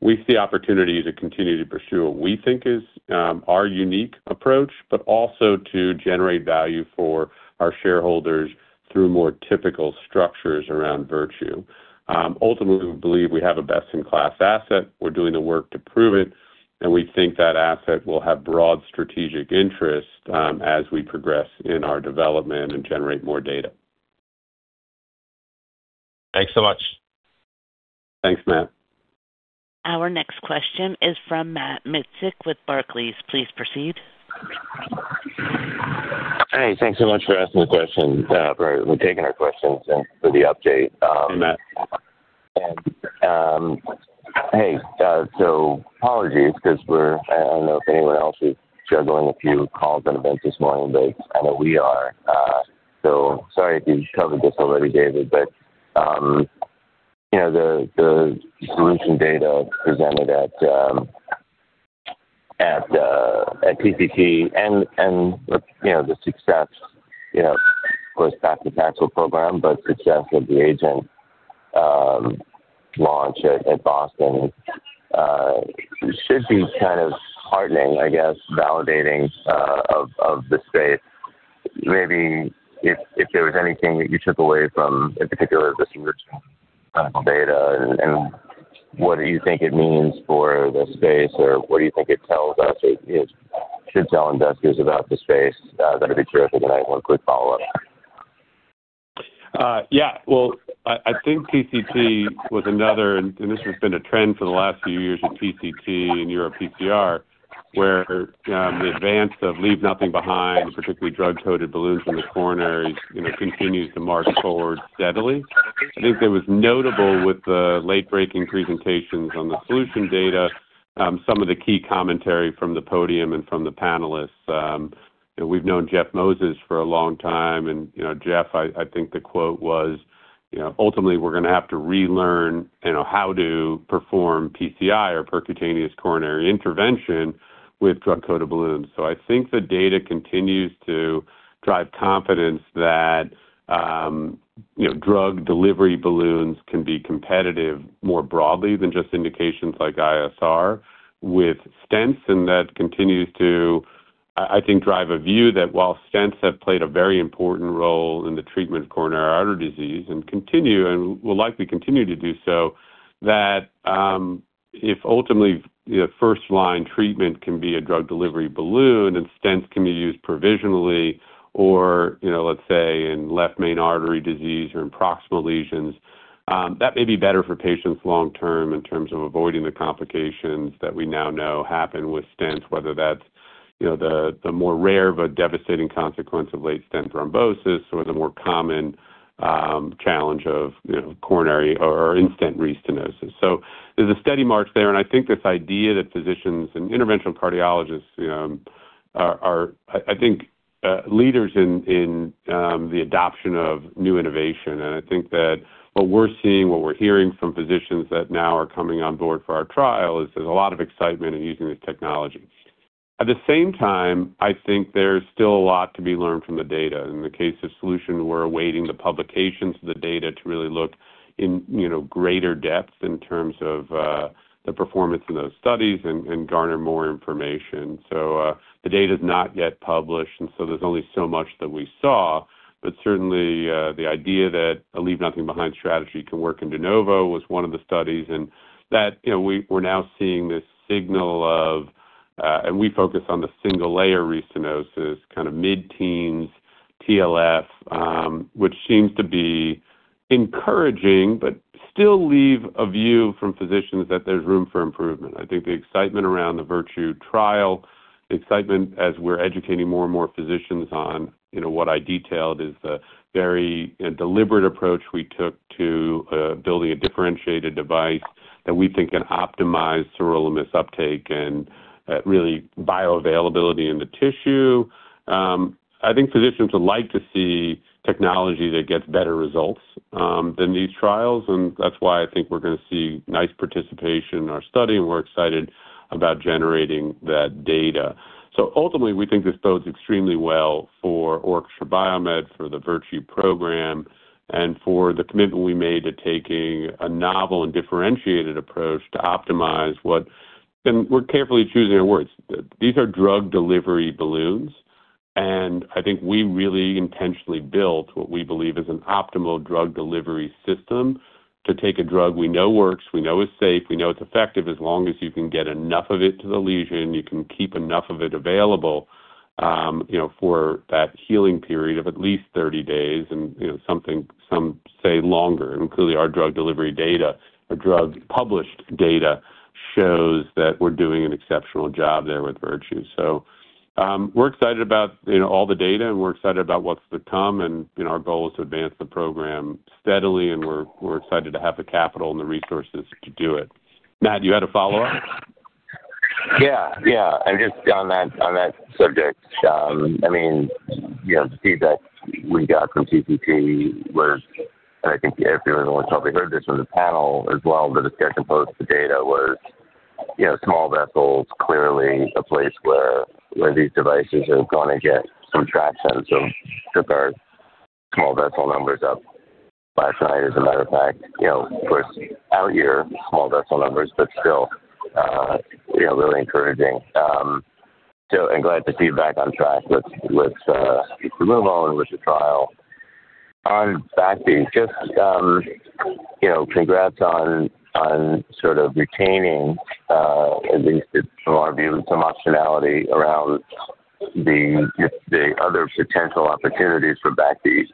We see opportunity to continue to pursue what we think is our unique approach, but also to generate value for our shareholders through more typical structures around Virtue. Ultimately, we believe we have a best-in-class asset. We're doing the work to prove it. We think that asset will have broad strategic interest as we progress in our development and generate more data. Thanks so much. Thanks, Matt. Our next question is from Matt Meincke with Barclays. Please proceed. Hi. Thanks so much for asking the question or taking our questions and for the update. Hey, Matt. Hey, apologies because I do not know if anyone else is juggling a few calls and events this morning, but I know we are. Sorry if you covered this already, David, but the SELUTION data presented at TCT and the success, of course, back-to-back program, but success of the AGENT launch at Boston should be kind of heartening, I guess, validating of the space. Maybe if there was anything that you took away from, in particular, the SELUTION clinical data and what do you think it means for the space or what do you think it tells us or should tell investors about the space, that would be terrific and I have one quick follow-up. Yeah. I think TCT was another, and this has been a trend for the last few years at TCT and EuroPCR, where the advance of leave-nothing-behind, particularly drug-coated balloons in the coronaries, continues to march forward steadily. I think it was notable with the late-breaking presentations on the SELUTION SLR data, some of the key commentary from the podium and from the panelists. We've known Jeff Moses for a long time. Jeff, I think the quote was, "Ultimately, we're going to have to relearn how to perform PCI or percutaneous coronary intervention with drug-coated balloons." I think the data continues to drive confidence that drug delivery balloons can be competitive more broadly than just indications like ISR with stents. That continues to, I think, drive a view that while stents have played a very important role in the treatment of coronary artery disease and will likely continue to do so, if ultimately first-line treatment can be a drug delivery balloon and stents can be used provisionally or, let's say, in left main artery disease or in proximal lesions, that may be better for patients long-term in terms of avoiding the complications that we now know happen with stents, whether that's the more rare but devastating consequence of late stent thrombosis or the more common challenge of coronary or in-stent restenosis. There is a steady march there. I think this idea that physicians and interventional cardiologists are, I think, leaders in the adoption of new innovation. I think that what we're seeing, what we're hearing from physicians that now are coming on board for our trial is there's a lot of excitement in using this technology. At the same time, I think there's still a lot to be learned from the data. In the case of SELUTION, we're awaiting the publications of the data to really look in greater depth in terms of the performance in those studies and garner more information. The data is not yet published, and so there's only so much that we saw. Certainly, the idea that a leave-nothing-behind strategy can work in de novo was one of the studies. We're now seeing this signal of, and we focus on the single-layer restenosis, kind of mid-teens TLF, which seems to be encouraging but still leave a view from physicians that there's room for improvement. I think the excitement around the Virtue Trial, the excitement as we're educating more and more physicians on what I detailed is the very deliberate approach we took to building a differentiated device that we think can optimize sirolimus uptake and really bioavailability in the tissue. I think physicians would like to see technology that gets better results than these trials. That is why I think we're going to see nice participation in our study. We're excited about generating that data. Ultimately, we think this bodes extremely well for Orchestra BioMed for the Virtue program and for the commitment we made to taking a novel and differentiated approach to optimize what we're carefully choosing our words. These are drug delivery balloons. I think we really intentionally built what we believe is an optimal drug delivery system to take a drug we know works, we know is safe, we know it's effective as long as you can get enough of it to the lesion, you can keep enough of it available for that healing period of at least 30 days and something, some say, longer. Clearly, our drug delivery data, our drug published data shows that we're doing an exceptional job there with Virtue. We're excited about all the data, and we're excited about what's to come. Our goal is to advance the program steadily, and we're excited to have the capital and the resources to do it. Matt, you had a follow-up? Yeah. Yeah. Just on that subject, I mean, the feedback we got from TCT was, and I think everyone probably heard this from the panel as well, the discussion post, the data was small vessels, clearly a place where these devices are going to get some traction. Took our small vessel numbers up last night, as a matter of fact. Of course, out here, small vessel numbers, but still really encouraging. I'm glad to see you back on track with Terumo and with the trial. On BACKBEAT, just congrats on sort of retaining, at least from our view, some optionality around the other potential opportunities for BACKBEAT.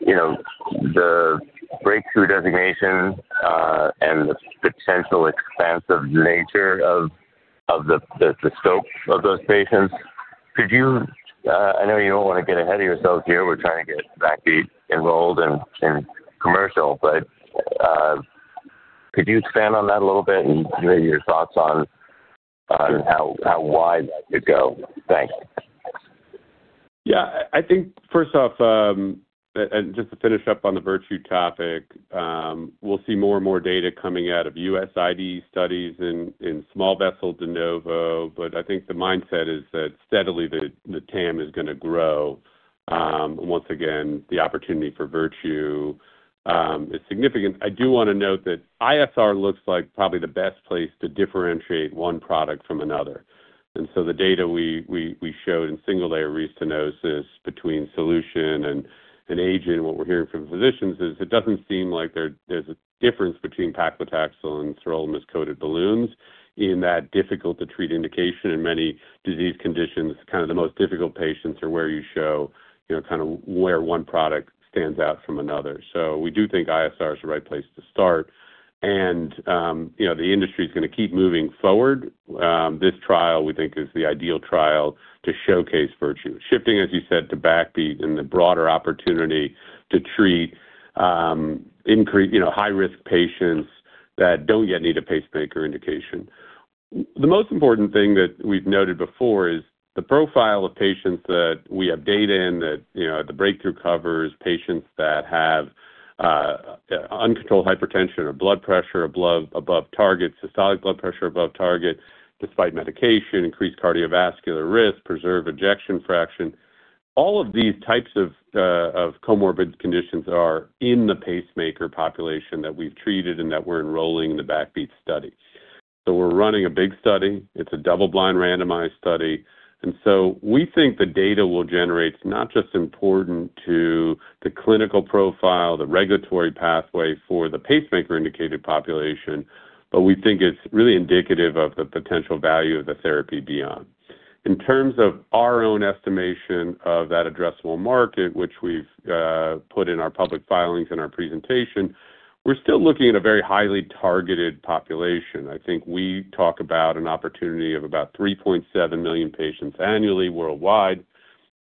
The breakthrough designation and the potential expansive nature of the scope of those patients, could you—I know you do not want to get ahead of yourself here. We are trying to get BACKBEAT enrolled and commercial. Could you expand on that a little bit and maybe your thoughts on how wide that could go? Thanks. Yeah. I think, first off, and just to finish up on the Virtue topic, we'll see more and more data coming out of U.S. IDE studies in small vessel de novo. I think the mindset is that steadily the TAM is going to grow. Once again, the opportunity for Virtue is significant. I do want to note that ISR looks like probably the best place to differentiate one product from another. The data we showed in single-layer restenosis between SELUTION and AGENT, what we're hearing from physicians is it does not seem like there is a difference between paclitaxel and sirolimus-coated balloons in that difficult-to-treat indication. In many disease conditions, kind of the most difficult patients are where you show kind of where one product stands out from another. We do think ISR is the right place to start. The industry is going to keep moving forward. This trial, we think, is the ideal trial to showcase Virtue, shifting, as you said, to back beat and the broader opportunity to treat high-risk patients that do not yet need a pacemaker indication. The most important thing that we have noted before is the profile of patients that we have data in, that the breakthrough covers patients that have uncontrolled hypertension or blood pressure above target, systolic blood pressure above target despite medication, increased cardiovascular risk, preserved ejection fraction. All of these types of comorbid conditions are in the pacemaker population that we have treated and that we are enrolling in the back beat study. We are running a big study. It is a double-blind randomized study. We think the data we'll generate is not just important to the clinical profile, the regulatory pathway for the pacemaker-indicated population, but we think it's really indicative of the potential value of the therapy beyond. In terms of our own estimation of that addressable market, which we've put in our public filings and our presentation, we're still looking at a very highly targeted population. I think we talk about an opportunity of about 3.7 million patients annually worldwide.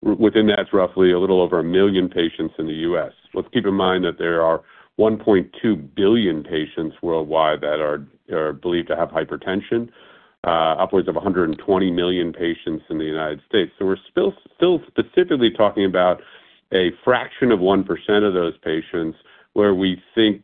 Within that, it's roughly a little over a million patients in the U.S. Let's keep in mind that there are 1.2 billion patients worldwide that are believed to have hypertension, upwards of 120 million patients in the United States. We're still specifically talking about a fraction of 1% of those patients where we think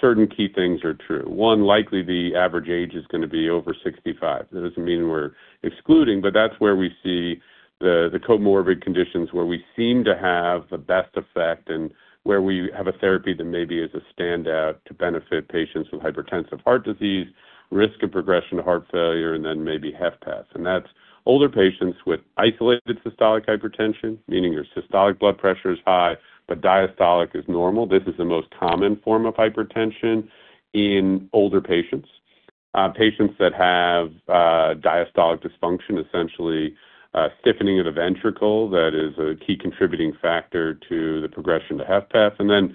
certain key things are true. One, likely the average age is going to be over 65. That does not mean we are excluding, but that is where we see the comorbid conditions where we seem to have the best effect and where we have a therapy that maybe is a standout to benefit patients with hypertensive heart disease, risk of progression to heart failure, and then maybe HFpEF. That is older patients with isolated systolic hypertension, meaning your systolic blood pressure is high, but diastolic is normal. This is the most common form of hypertension in older patients. Patients that have diastolic dysfunction, essentially stiffening of the ventricle, that is a key contributing factor to the progression to HFpEF.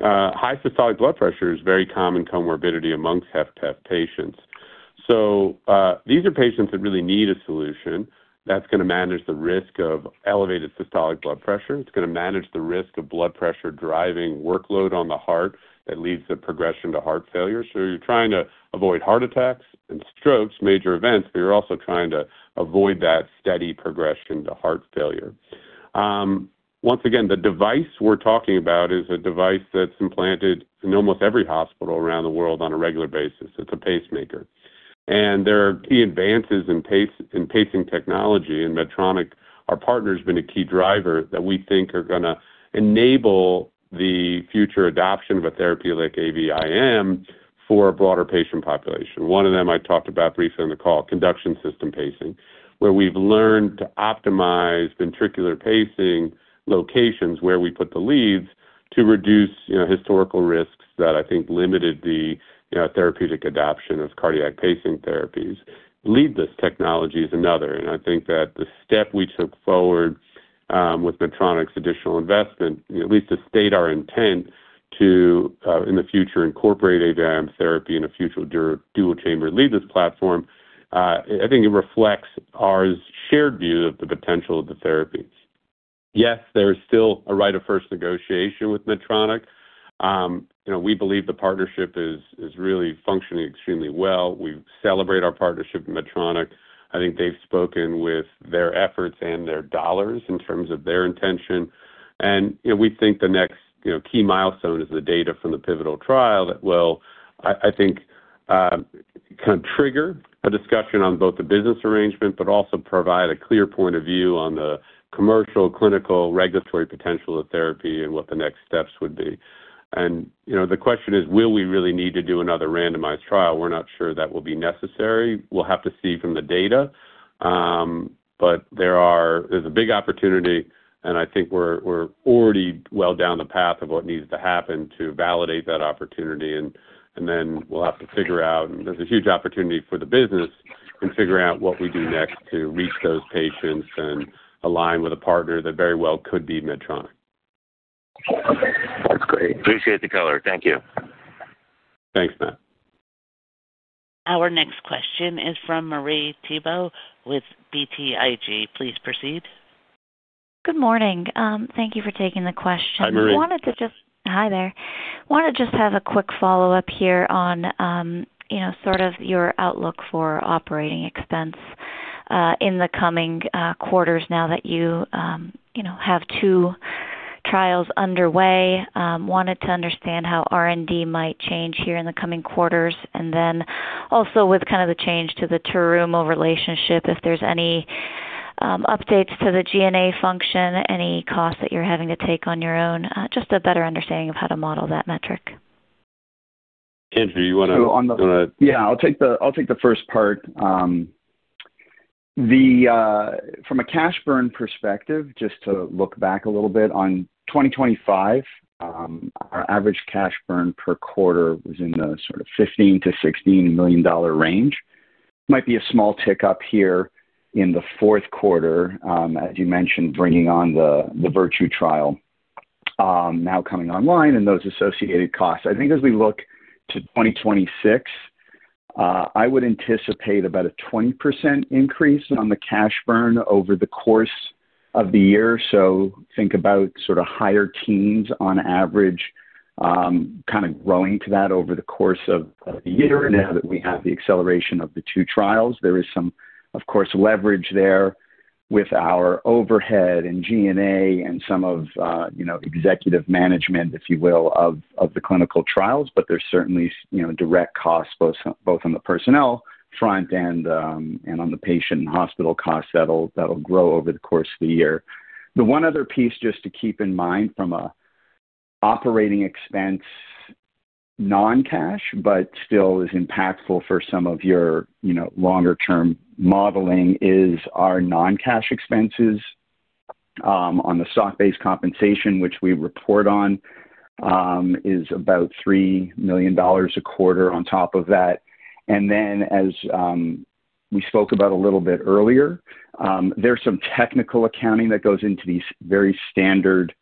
High systolic blood pressure is a very common comorbidity amongst HFpEF patients. These are patients that really need a solution that is going to manage the risk of elevated systolic blood pressure. It's going to manage the risk of blood pressure driving workload on the heart that leads to progression to heart failure. You're trying to avoid heart attacks and strokes, major events, but you're also trying to avoid that steady progression to heart failure. Once again, the device we're talking about is a device that's implanted in almost every hospital around the world on a regular basis. It's a pacemaker. There are key advances in pacing technology, and Medtronic, our partner, has been a key driver that we think are going to enable the future adoption of a therapy like AVIM for a broader patient population. One of them I talked about briefly on the call, conduction system pacing, where we've learned to optimize ventricular pacing locations where we put the leads to reduce historical risks that I think limited the therapeutic adoption of cardiac pacing therapies. Leadless technology is another. I think that the step we took forward with Medtronic's additional investment, at least to state our intent to, in the future, incorporate AVIM Therapy in a future dual-chamber leadless platform, reflects our shared view of the potential of the therapy. Yes, there is still a right of first negotiation with Medtronic. We believe the partnership is really functioning extremely well. We celebrate our partnership with Medtronic. I think they've spoken with their efforts and their dollars in terms of their intention. We think the next key milestone is the data from the pivotal trial that will, I think, kind of trigger a discussion on both the business arrangement, but also provide a clear point of view on the commercial, clinical, regulatory potential of therapy and what the next steps would be. The question is, will we really need to do another randomized trial? We're not sure that will be necessary. We'll have to see from the data. There is a big opportunity, and I think we're already well down the path of what needs to happen to validate that opportunity. We will have to figure out, and there is a huge opportunity for the business in figuring out what we do next to reach those patients and align with a partner that very well could be Medtronic. That's great. Appreciate the color. Thank you. Thanks, Matt. Our next question is from Marie Thibault with BTIG. Please proceed. Good morning. Thank you for taking the question. Hi, Marie. I wanted to just—Hi, there. I wanted to just have a quick follow-up here on sort of your outlook for operating expense in the coming quarters now that you have two trials underway. Wanted to understand how R&D might change here in the coming quarters. Also, with kind of the change to the Terumo relationship, if there are any updates to the G&A function, any costs that you are having to take on your own, just a better understanding of how to model that metric. Andrew, you want to— Yeah, I'll take the first part. From a cash burn perspective, just to look back a little bit on 2025, our average cash burn per quarter was in the sort of $15 million-$16 million range. Might be a small tick up here in the fourth quarter, as you mentioned, bringing on the Virtue Trial now coming online and those associated costs. I think as we look to 2026, I would anticipate about a 20% increase on the cash burn over the course of the year. Think about sort of higher teens on average kind of growing to that over the course of the year now that we have the acceleration of the two trials. There is some, of course, leverage there with our overhead and G&A and some of executive management, if you will, of the clinical trials. There is certainly direct costs both on the personnel front and on the patient and hospital costs that will grow over the course of the year. The one other piece just to keep in mind from an operating expense non-cash, but still is impactful for some of your longer-term modeling, is our non-cash expenses on the stock-based compensation, which we report on is about $3 million a quarter on top of that. As we spoke about a little bit earlier, there's some technical accounting that goes into these very standard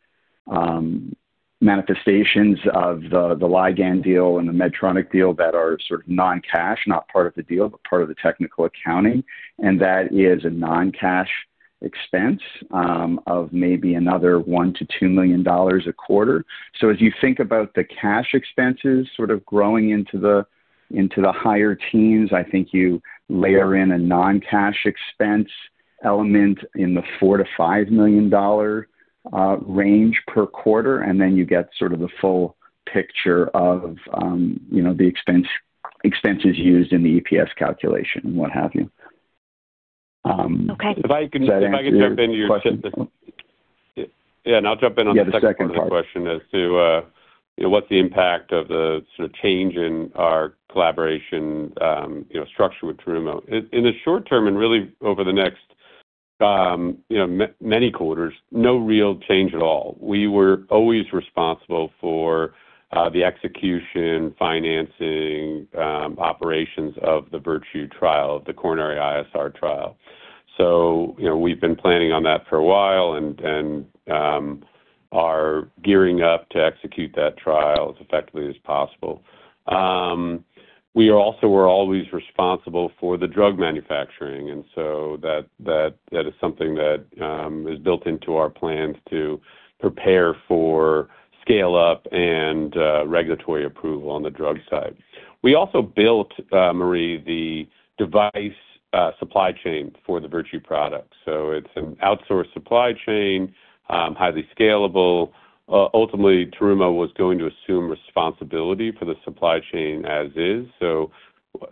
manifestations of the Ligand deal and the Medtronic deal that are sort of non-cash, not part of the deal, but part of the technical accounting. That is a non-cash expense of maybe another $1 million-$2 million a quarter. As you think about the cash expenses sort of growing into the higher teens, I think you layer in a non-cash expense element in the $4 million-$5 million range per quarter. Then you get sort of the full picture of the expenses used in the EPS calculation and what have you. If I can jump in your— Yeah. No, I'll jump in on the second question as to what's the impact of the sort of change in our collaboration structure with Terumo. In the short term and really over the next many quarters, no real change at all. We were always responsible for the execution, financing, operations of the Virtue Trial, the coronary ISR trial. We have been planning on that for a while and are gearing up to execute that trial as effectively as possible. We also were always responsible for the drug manufacturing. That is something that is built into our plans to prepare for scale-up and regulatory approval on the drug side. We also built, Marie, the device supply chain for the Virtue product. It is an outsourced supply chain, highly scalable. Ultimately, Terumo was going to assume responsibility for the supply chain as is.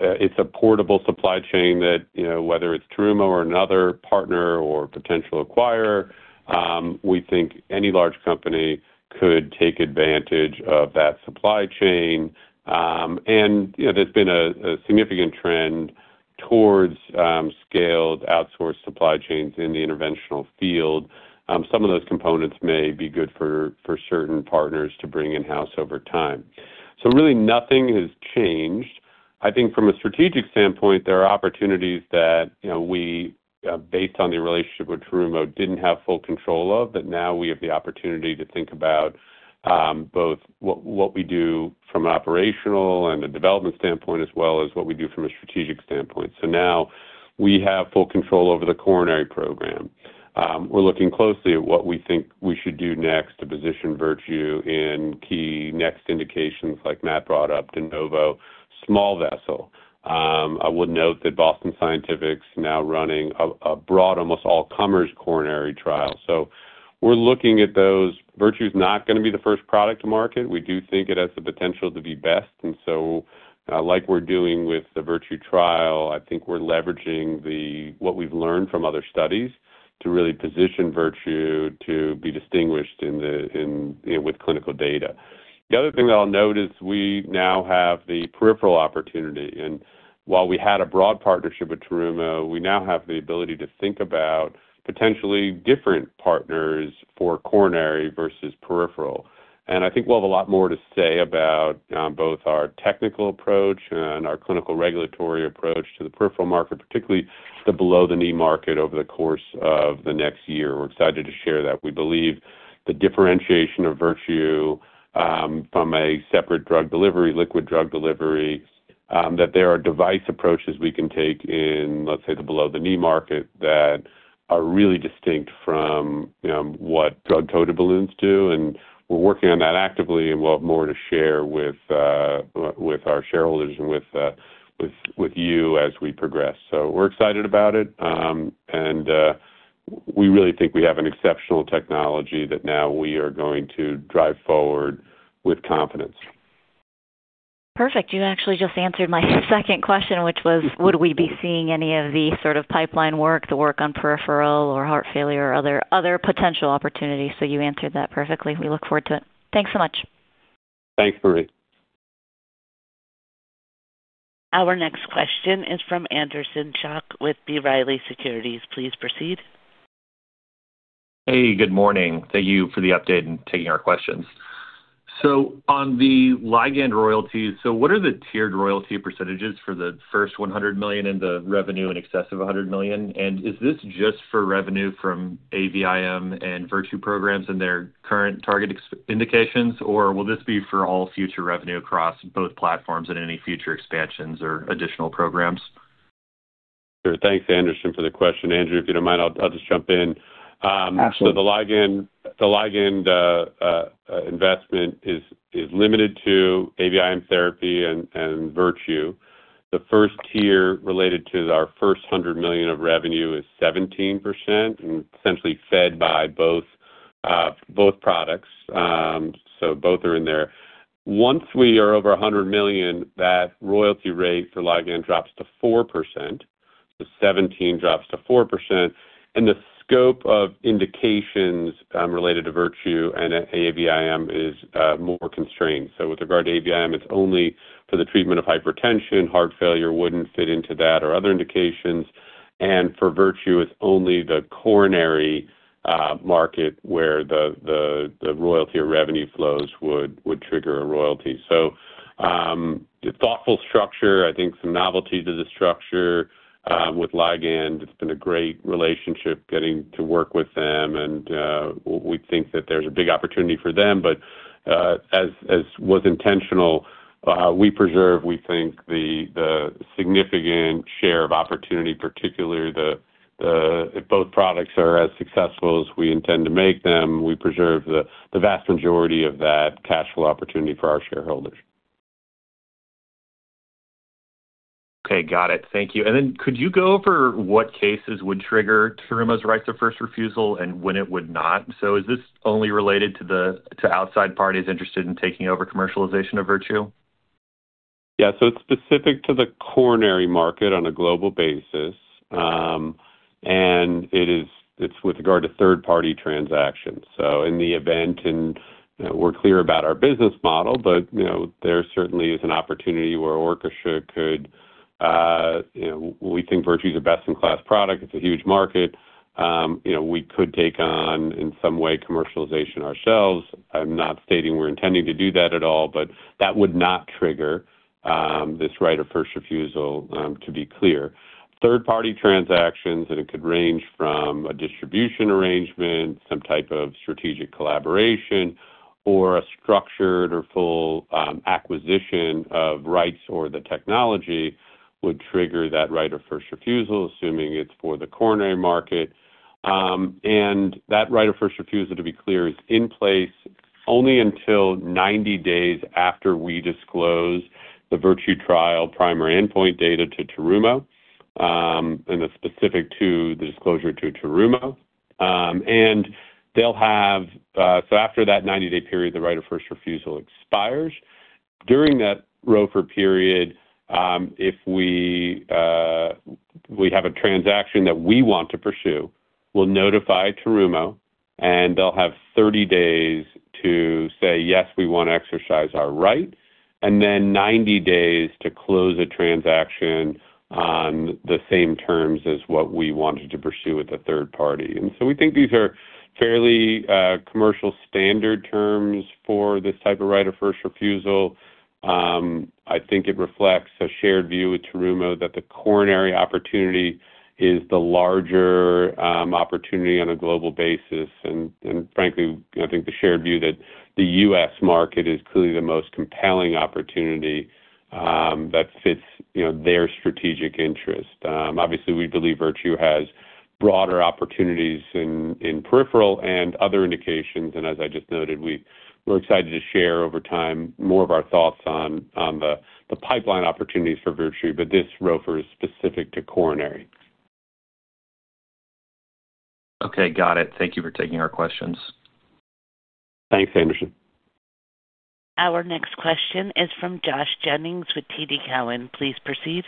It is a portable supply chain that whether it is Terumo or another partner or potential acquirer, we think any large company could take advantage of that supply chain. There's been a significant trend towards scaled outsourced supply chains in the interventional field. Some of those components may be good for certain partners to bring in-house over time. Really nothing has changed. I think from a strategic standpoint, there are opportunities that we, based on the relationship with Terumo, did not have full control of, that now we have the opportunity to think about both what we do from an operational and a development standpoint, as well as what we do from a strategic standpoint. Now we have full control over the coronary program. We're looking closely at what we think we should do next to position Virtue in key next indications like Matt brought up De Novo small vessel. I would note that Boston Scientific is now running a broad, almost all-comers coronary trial. We're looking at those. Virtue is not going to be the first product to market. We do think it has the potential to be best. And like we're doing with the Virtue Trial, I think we're leveraging what we've learned from other studies to really position Virtue to be distinguished with clinical data. The other thing that I'll note is we now have the peripheral opportunity. While we had a broad partnership with Terumo, we now have the ability to think about potentially different partners for coronary versus peripheral. I think we'll have a lot more to say about both our technical approach and our clinical regulatory approach to the peripheral market, particularly the below-the-knee market over the course of the next year. We're excited to share that. We believe the differentiation of Virtue from a separate drug delivery, liquid drug delivery, that there are device approaches we can take in, let's say, the below-the-knee market that are really distinct from what drug-coated balloons do. We are working on that actively, and we will have more to share with our shareholders and with you as we progress. We are excited about it. We really think we have an exceptional technology that now we are going to drive forward with confidence. Perfect. You actually just answered my second question, which was, would we be seeing any of the sort of pipeline work, the work on peripheral or heart failure or other potential opportunities? You answered that perfectly. We look forward to it. Thanks so much. Thanks, Marie. Our next question is from Anderson Schock with B. Riley Securities. Please proceed. Hey, good morning. Thank you for the update and taking our questions. On the Ligand royalties, what are the tiered royalty percentages for the first $100 million and the revenue in excess of $100 million? Is this just for revenue from AVIM and Virtue programs and their current target indications, or will this be for all future revenue across both platforms and any future expansions or additional programs? Sure. Thanks, Anderson, for the question. Andrew, if you do not mind, I will just jump in. Absolutely. The Ligand investment is limited to AVIM Therapy and Virtue. The first tier related to our first $100 million of revenue is 17% and essentially fed by both products. Both are in there. Once we are over $100 million, that royalty rate for Ligand drops to 4%. So 17% drops to 4%. The scope of indications related to Virtue and AVIM is more constrained. With regard to AVIM, it's only for the treatment of hypertension. Heart failure wouldn't fit into that or other indications. For Virtue, it's only the coronary market where the royalty or revenue flows would trigger a royalty. Thoughtful structure, I think some novelty to the structure. With Ligand, it's been a great relationship getting to work with them. We think that there's a big opportunity for them. As was intentional, we preserve, we think, the significant share of opportunity, particularly if both products are as successful as we intend to make them, we preserve the vast majority of that cash flow opportunity for our shareholders. Okay. Got it. Thank you. Could you go over what cases would trigger Terumo's rights of first refusal and when it would not? Is this only related to outside parties interested in taking over commercialization of Virtue? Yeah. It is specific to the coronary market on a global basis. It is with regard to third-party transactions. In the event, and we are clear about our business model, but there certainly is an opportunity where Orchestra could—we think Virtue is a best-in-class product. It is a huge market. We could take on, in some way, commercialization ourselves. I am not stating we are intending to do that at all, but that would not trigger this right of first refusal, to be clear. Third-party transactions, and it could range from a distribution arrangement, some type of strategic collaboration, or a structured or full acquisition of rights or the technology would trigger that right of first refusal, assuming it is for the coronary market. That right of first refusal, to be clear, is in place only until 90 days after we disclose the Virtue Trial primary endpoint data to Terumo and specific to the disclosure to Terumo. After that 90-day period, the right of first refusal expires. During that right of first refusal period, if we have a transaction that we want to pursue, we'll notify Terumo, and they'll have 30 days to say, "Yes, we want to exercise our right," and then 90 days to close a transaction on the same terms as what we wanted to pursue with the third party. We think these are fairly commercial standard terms for this type of right of first refusal. I think it reflects a shared view with Terumo that the coronary opportunity is the larger opportunity on a global basis. Frankly, I think the shared view that the U.S. market is clearly the most compelling opportunity that fits their strategic interest. Obviously, we believe Virtue has broader opportunities in peripheral and other indications. As I just noted, we're excited to share over time more of our thoughts on the pipeline opportunities for Virtue, but this row for specific to coronary. Okay. Got it. Thank you for taking our questions. Thanks, Anderson. Our next question is from Josh Jennings with TD Cowen. Please proceed.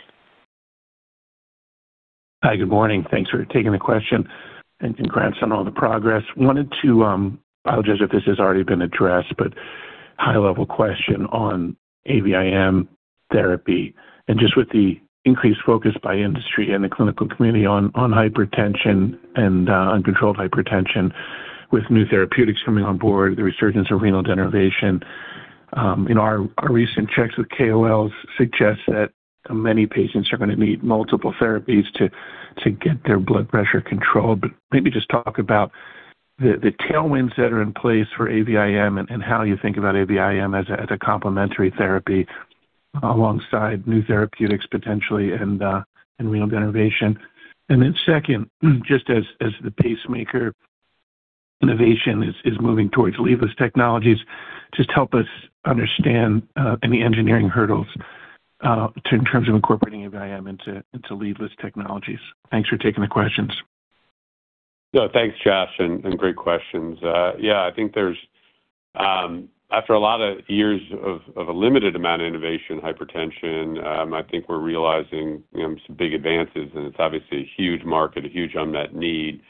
Hi, good morning. Thanks for taking the question and congrats on all the progress. I wanted to—I apologize if this has already been addressed—but high-level question on AVIM Therapy. Just with the increased focus by industry and the clinical community on hypertension and uncontrolled hypertension, with new therapeutics coming on board, the resurgence of renal denervation, our recent checks with KOLs suggest that many patients are going to need multiple therapies to get their blood pressure controlled. Maybe just talk about the tailwinds that are in place for AVIM and how you think about AVIM as a complementary therapy alongside new therapeutics potentially and renal denervation. Second, just as the pacemaker innovation is moving towards leadless technologies, help us understand any engineering hurdles in terms of incorporating AVIM into leadless technologies. Thanks for taking the questions. No, thanks, Josh, and great questions. Yeah, I think after a lot of years of a limited amount of innovation in hypertension, I think we're realizing some big advances. It's obviously a huge market, a huge unmet need.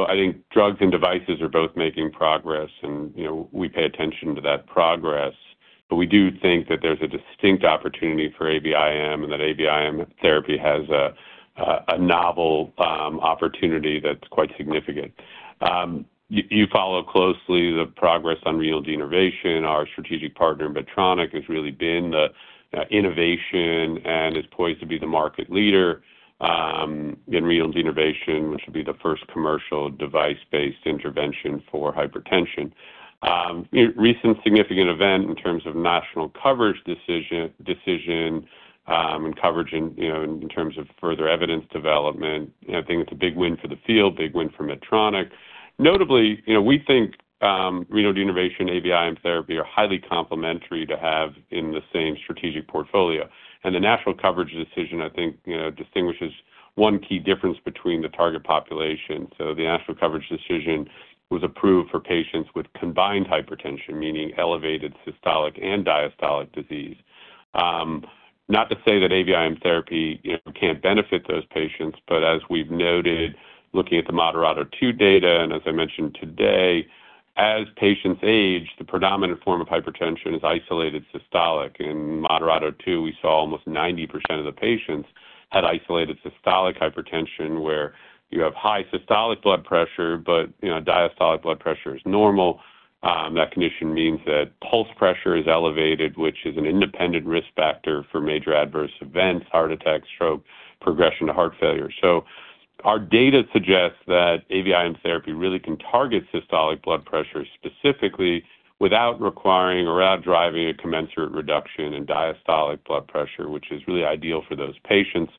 I think drugs and devices are both making progress, and we pay attention to that progress. We do think that there's a distinct opportunity for AVIM and that AVIM Therapy has a novel opportunity that's quite significant. You follow closely the progress on renal denervation. Our strategic partner, Medtronic, has really been the innovation and is poised to be the market leader in renal denervation, which will be the first commercial device-based intervention for hypertension. Recent significant event in terms of national coverage decision and coverage in terms of further evidence development. I think it's a big win for the field, big win for Medtronic. Notably, we think renal denervation, AVIM Therapy are highly complementary to have in the same strategic portfolio. The national coverage decision, I think, distinguishes one key difference between the target population. The national coverage decision was approved for patients with combined hypertension, meaning elevated systolic and diastolic disease. Not to say that AVIM Therapy can't benefit those patients, but as we've noted, looking at the MODERATO II data and as I mentioned today, as patients age, the predominant form of hypertension is isolated systolic. In MODERATO II, we saw almost 90% of the patients had isolated systolic hypertension where you have high systolic blood pressure, but diastolic blood pressure is normal. That condition means that pulse pressure is elevated, which is an independent risk factor for major adverse events, heart attack, stroke, progression to heart failure. Our data suggests that AVIM Therapy really can target systolic blood pressure specifically without requiring or without driving a commensurate reduction in diastolic blood pressure, which is really ideal for those patients.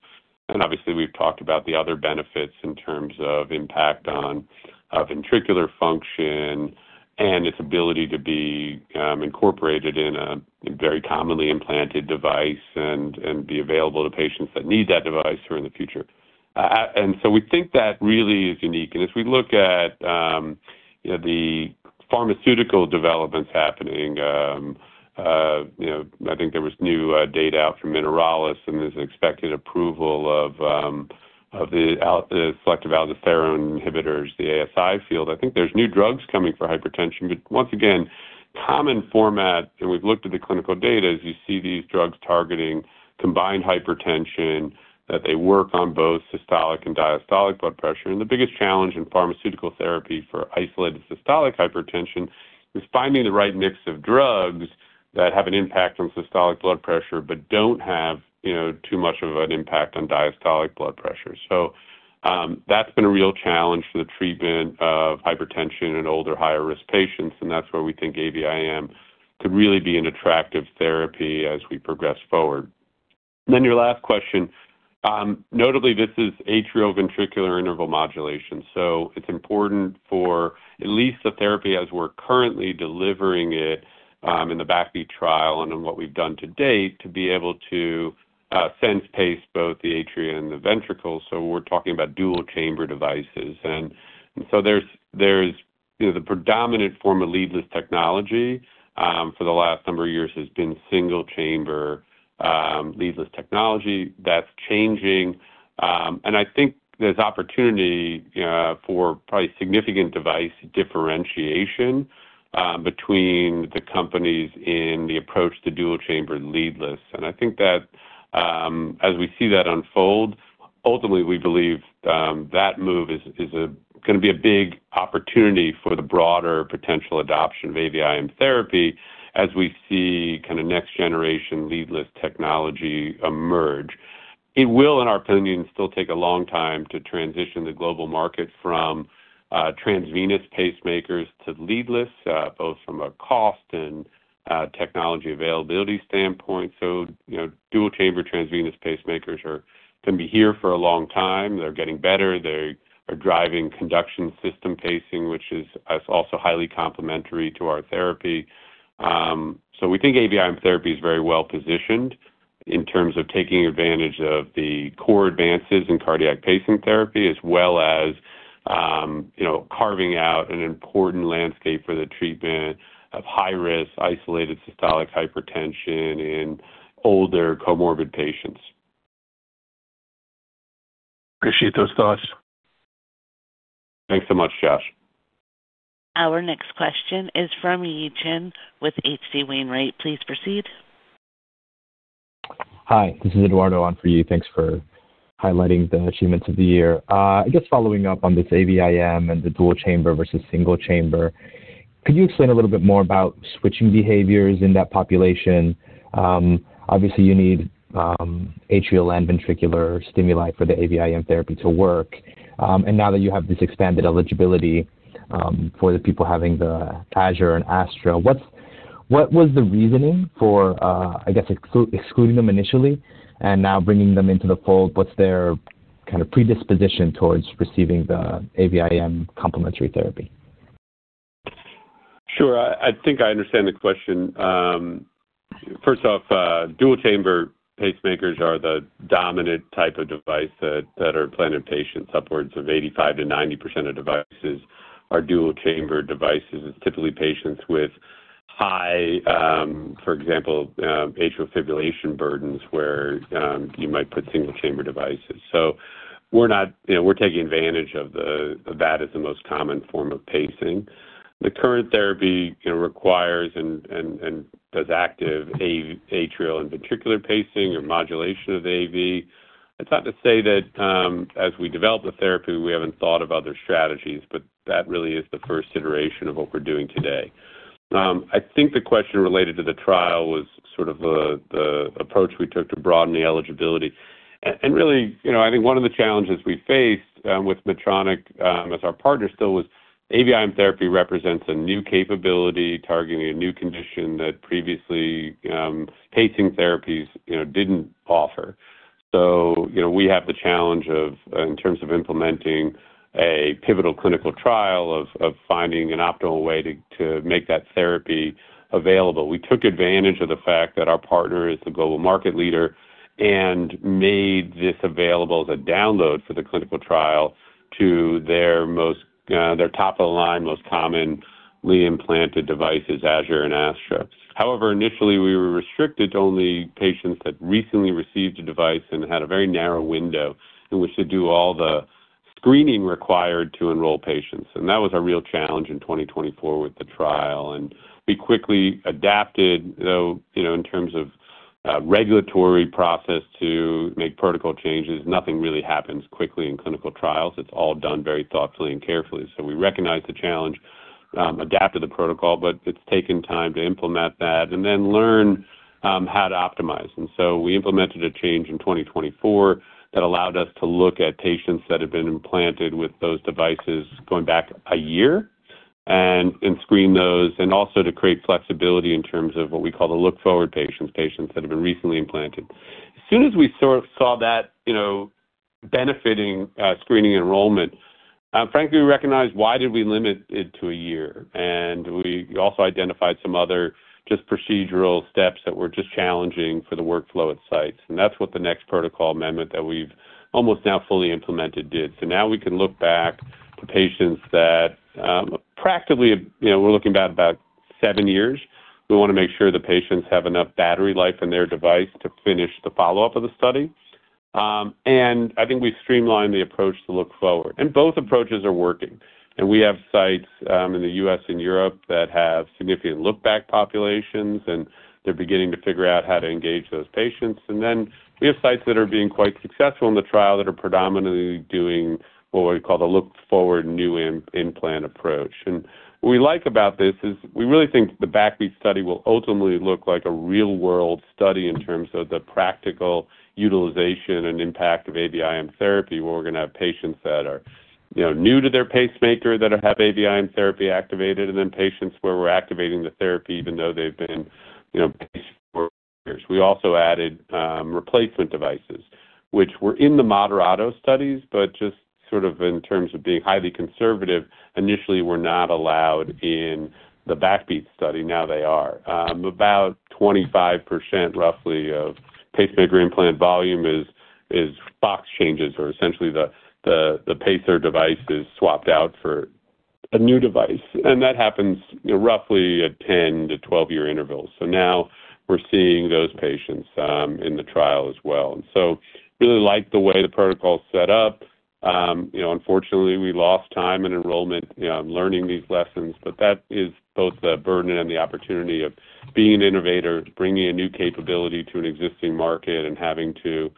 Obviously, we've talked about the other benefits in terms of impact on ventricular function and its ability to be incorporated in a very commonly implanted device and be available to patients that need that device here in the future. We think that really is unique. As we look at the pharmaceutical developments happening, I think there was new data out from Mineralys, and there's an expected approval of the selective aldosterone inhibitors, the ASI field. I think there's new drugs coming for hypertension. Once again, common format, and we've looked at the clinical data, is you see these drugs targeting combined hypertension, that they work on both systolic and diastolic blood pressure. The biggest challenge in pharmaceutical therapy for isolated systolic hypertension is finding the right mix of drugs that have an impact on systolic blood pressure but do not have too much of an impact on diastolic blood pressure. That has been a real challenge for the treatment of hypertension in older higher-risk patients. That is where we think AVIM could really be an attractive therapy as we progress forward. Your last question, notably, this is atrioventricular interval modulation. It is important for at least the therapy as we are currently delivering it in the BACKBEAT trial and in what we have done to date to be able to sense pace both the atria and the ventricles. We are talking about dual-chamber devices. The predominant form of leadless technology for the last number of years has been single-chamber leadless technology. That is changing. I think there's opportunity for probably significant device differentiation between the companies in the approach to dual-chamber leadless. I think that as we see that unfold, ultimately, we believe that move is going to be a big opportunity for the broader potential adoption of AVIM Therapy as we see kind of next-generation leadless technology emerge. It will, in our opinion, still take a long time to transition the global market from transvenous pacemakers to leadless, both from a cost and technology availability standpoint. Dual-chamber transvenous pacemakers can be here for a long time. They're getting better. They are driving conduction system pacing, which is also highly complementary to our therapy. We think AVIM Therapy is very well positioned in terms of taking advantage of the core advances in cardiac pacing therapy as well as carving out an important landscape for the treatment of high-risk isolated systolic hypertension in older comorbid patients. Appreciate those thoughts. Thanks so much, Josh. Our next question is from Yi Chen with H.C. Wainwright. Please proceed. Hi. This is Eduardo on for you. Thanks for highlighting the achievements of the year. I guess following up on this AVIM and the dual-chamber versus single-chamber, could you explain a little bit more about switching behaviors in that population? Obviously, you need atrial and ventricular stimuli for the AVIM Therapy to work. Now that you have this expanded eligibility for the people having the Azure and Astra, what was the reasoning for, I guess, excluding them initially and now bringing them into the fold? What's their kind of predisposition towards receiving the AVIM complementary therapy? Sure. I think I understand the question. First off, dual-chamber pacemakers are the dominant type of device that are implanted in patients. Upwards of 85%-90% of devices are dual-chamber devices. It's typically patients with high, for example, atrial fibrillation burdens where you might put single-chamber devices. So we're taking advantage of that as the most common form of pacing. The current therapy requires and does active atrial and ventricular pacing or modulation of the AV. It's not to say that as we develop the therapy, we haven't thought of other strategies, but that really is the first iteration of what we're doing today. I think the question related to the trial was sort of the approach we took to broaden the eligibility. Really, I think one of the challenges we faced with Medtronic as our partner still was AVIM Therapy represents a new capability targeting a new condition that previously pacing therapies did not offer. We have the challenge of, in terms of implementing a pivotal clinical trial, finding an optimal way to make that therapy available. We took advantage of the fact that our partner is the global market leader and made this available as a download for the clinical trial to their top-of-the-line, most commonly implanted devices, Azure and Astra. However, initially, we were restricted to only patients that recently received a device and had a very narrow window in which to do all the screening required to enroll patients. That was our real challenge in 2024 with the trial. We quickly adapted, though in terms of regulatory process to make protocol changes, nothing really happens quickly in clinical trials. It's all done very thoughtfully and carefully. We recognize the challenge, adapted the protocol, but it's taken time to implement that and then learn how to optimize. We implemented a change in 2024 that allowed us to look at patients that had been implanted with those devices going back a year and screen those and also to create flexibility in terms of what we call the look-forward patients, patients that have been recently implanted. As soon as we saw that benefiting screening enrollment, frankly, we recognized why did we limit it to a year. We also identified some other just procedural steps that were just challenging for the workflow at sites. That's what the next protocol amendment that we've almost now fully implemented did. Now we can look back to patients that practically we're looking back about seven years. We want to make sure the patients have enough battery life in their device to finish the follow-up of the study. I think we've streamlined the approach to look forward. Both approaches are working. We have sites in the U.S. and Europe that have significant look-back populations, and they're beginning to figure out how to engage those patients. We have sites that are being quite successful in the trial that are predominantly doing what we call the look-forward new implant approach. What we like about this is we really think the BACKBEAT study will ultimately look like a real-world study in terms of the practical utilization and impact of AVIM Therapy where we're going to have patients that are new to their pacemaker that have AVIM Therapy activated and then patients where we're activating the therapy even though they've been paced for years. We also added replacement devices, which were in the Moderato studies, but just sort of in terms of being highly conservative, initially were not allowed in the BACKBEAT study. Now they are. About 25%, roughly, of pacemaker implant volume is box changes or essentially the pacer device is swapped out for a new device. That happens roughly at 10-12 year intervals. Now we're seeing those patients in the trial as well. We really like the way the protocol is set up. Unfortunately, we lost time and enrollment learning these lessons, but that is both the burden and the opportunity of being an innovator, bringing a new capability to an existing market, and having to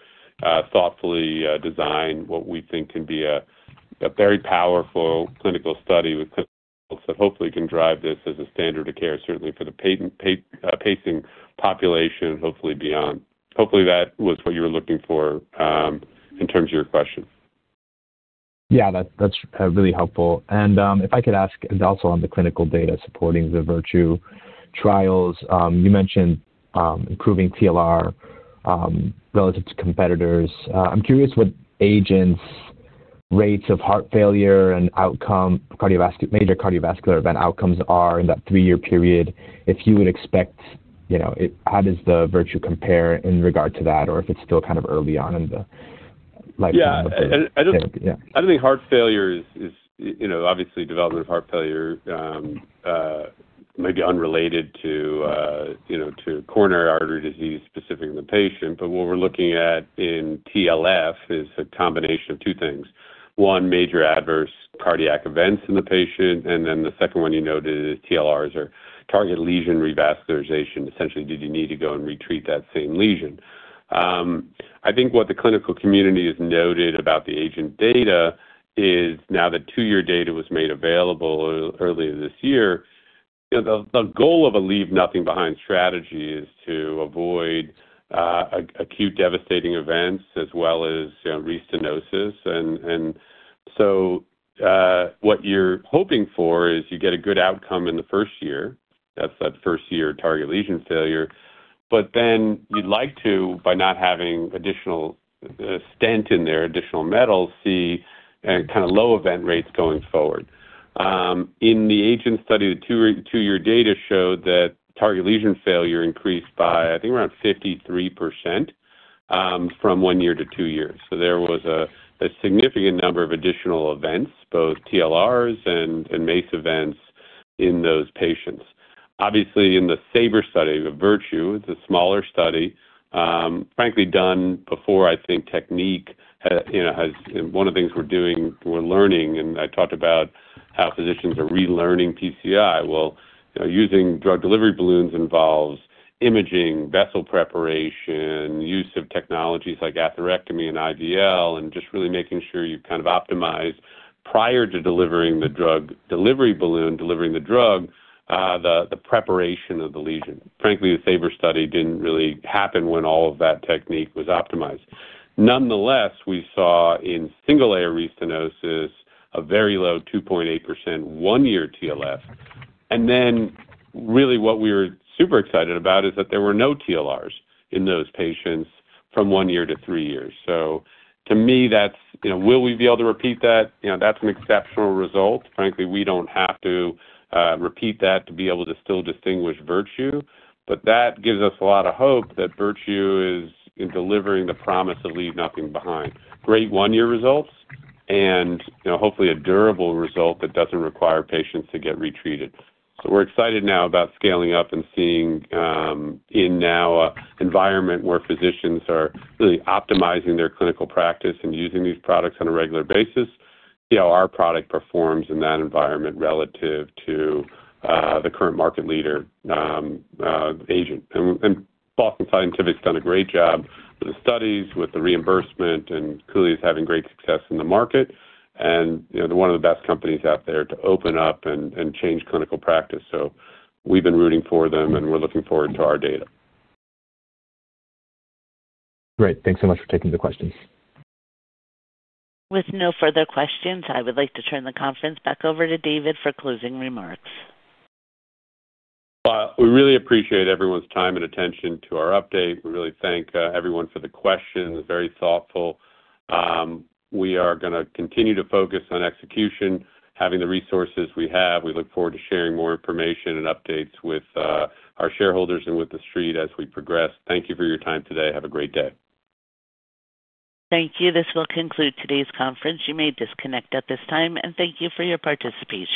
thoughtfully design what we think can be a very powerful clinical study with clinical results that hopefully can drive this as a standard of care, certainly for the pacing population, hopefully beyond. Hopefully, that was what you were looking for in terms of your question. Yeah. That's really helpful. If I could ask also on the clinical data supporting the Virtue Trials, you mentioned improving TLR relative to competitors. I'm curious what agents, rates of heart failure, and major cardiovascular event outcomes are in that three-year period. If you would expect, how does the Virtue compare in regard to that or if it's still kind of early on in the life of the patient? Yeah. I don't think heart failure is, obviously, development of heart failure may be unrelated to coronary artery disease specific in the patient. What we're looking at in TLF is a combination of two things. One, major adverse cardiac events in the patient. The second one you noted is TLRs, or target lesion revascularization. Essentially, did you need to go and retreat that same lesion? I think what the clinical community has noted about the AGENT data is now that two-year data was made available earlier this year, the goal of a leave-nothing-behind strategy is to avoid acute devastating events as well as restenosis. What you're hoping for is you get a good outcome in the first year. That's that first-year target lesion failure. You'd like to, by not having additional stent in there, additional metals, see kind of low event rates going forward. In the AGENT study, the two-year data showed that target lesion failure increased by, I think, around 53% from one year to two years. There was a significant number of additional events, both TLRs and MACE events in those patients. Obviously, in the SABRE study of Virtue, it's a smaller study, frankly done before, I think, technique has one of the things we're doing, we're learning, and I talked about how physicians are relearning PCI. Using drug delivery balloons involves imaging, vessel preparation, use of technologies like atherectomy and IVL, and just really making sure you kind of optimize prior to delivering the drug delivery balloon, delivering the drug, the preparation of the lesion. Frankly, the SABRE study didn't really happen when all of that technique was optimized. Nonetheless, we saw in single-layer restenosis a very low 2.8% one-year TLF. What we were super excited about is that there were no TLRs in those patients from one year to three years. To me, that's will we be able to repeat that? That's an exceptional result. Frankly, we do not have to repeat that to be able to still distinguish Virtue. That gives us a lot of hope that Virtue is delivering the promise of leave-nothing-behind. Great one-year results and hopefully a durable result that does not require patients to get retreated. We are excited now about scaling up and seeing in now an environment where physicians are really optimizing their clinical practice and using these products on a regular basis, see how our product performs in that environment relative to the current market leader AGENT. Boston Scientific's done a great job with the studies, with the reimbursement, and clearly is having great success in the market. One of the best companies out there to open up and change clinical practice. We have been rooting for them, and we are looking forward to our data. Great. Thanks so much for taking the questions. With no further questions, I would like to turn the conference back over to David for closing remarks. We really appreciate everyone's time and attention to our update. We really thank everyone for the questions. Very thoughtful. We are going to continue to focus on execution, having the resources we have. We look forward to sharing more information and updates with our shareholders and with the street as we progress. Thank you for your time today. Have a great day. Thank you. This will conclude today's conference. You may disconnect at this time. Thank you for your participation.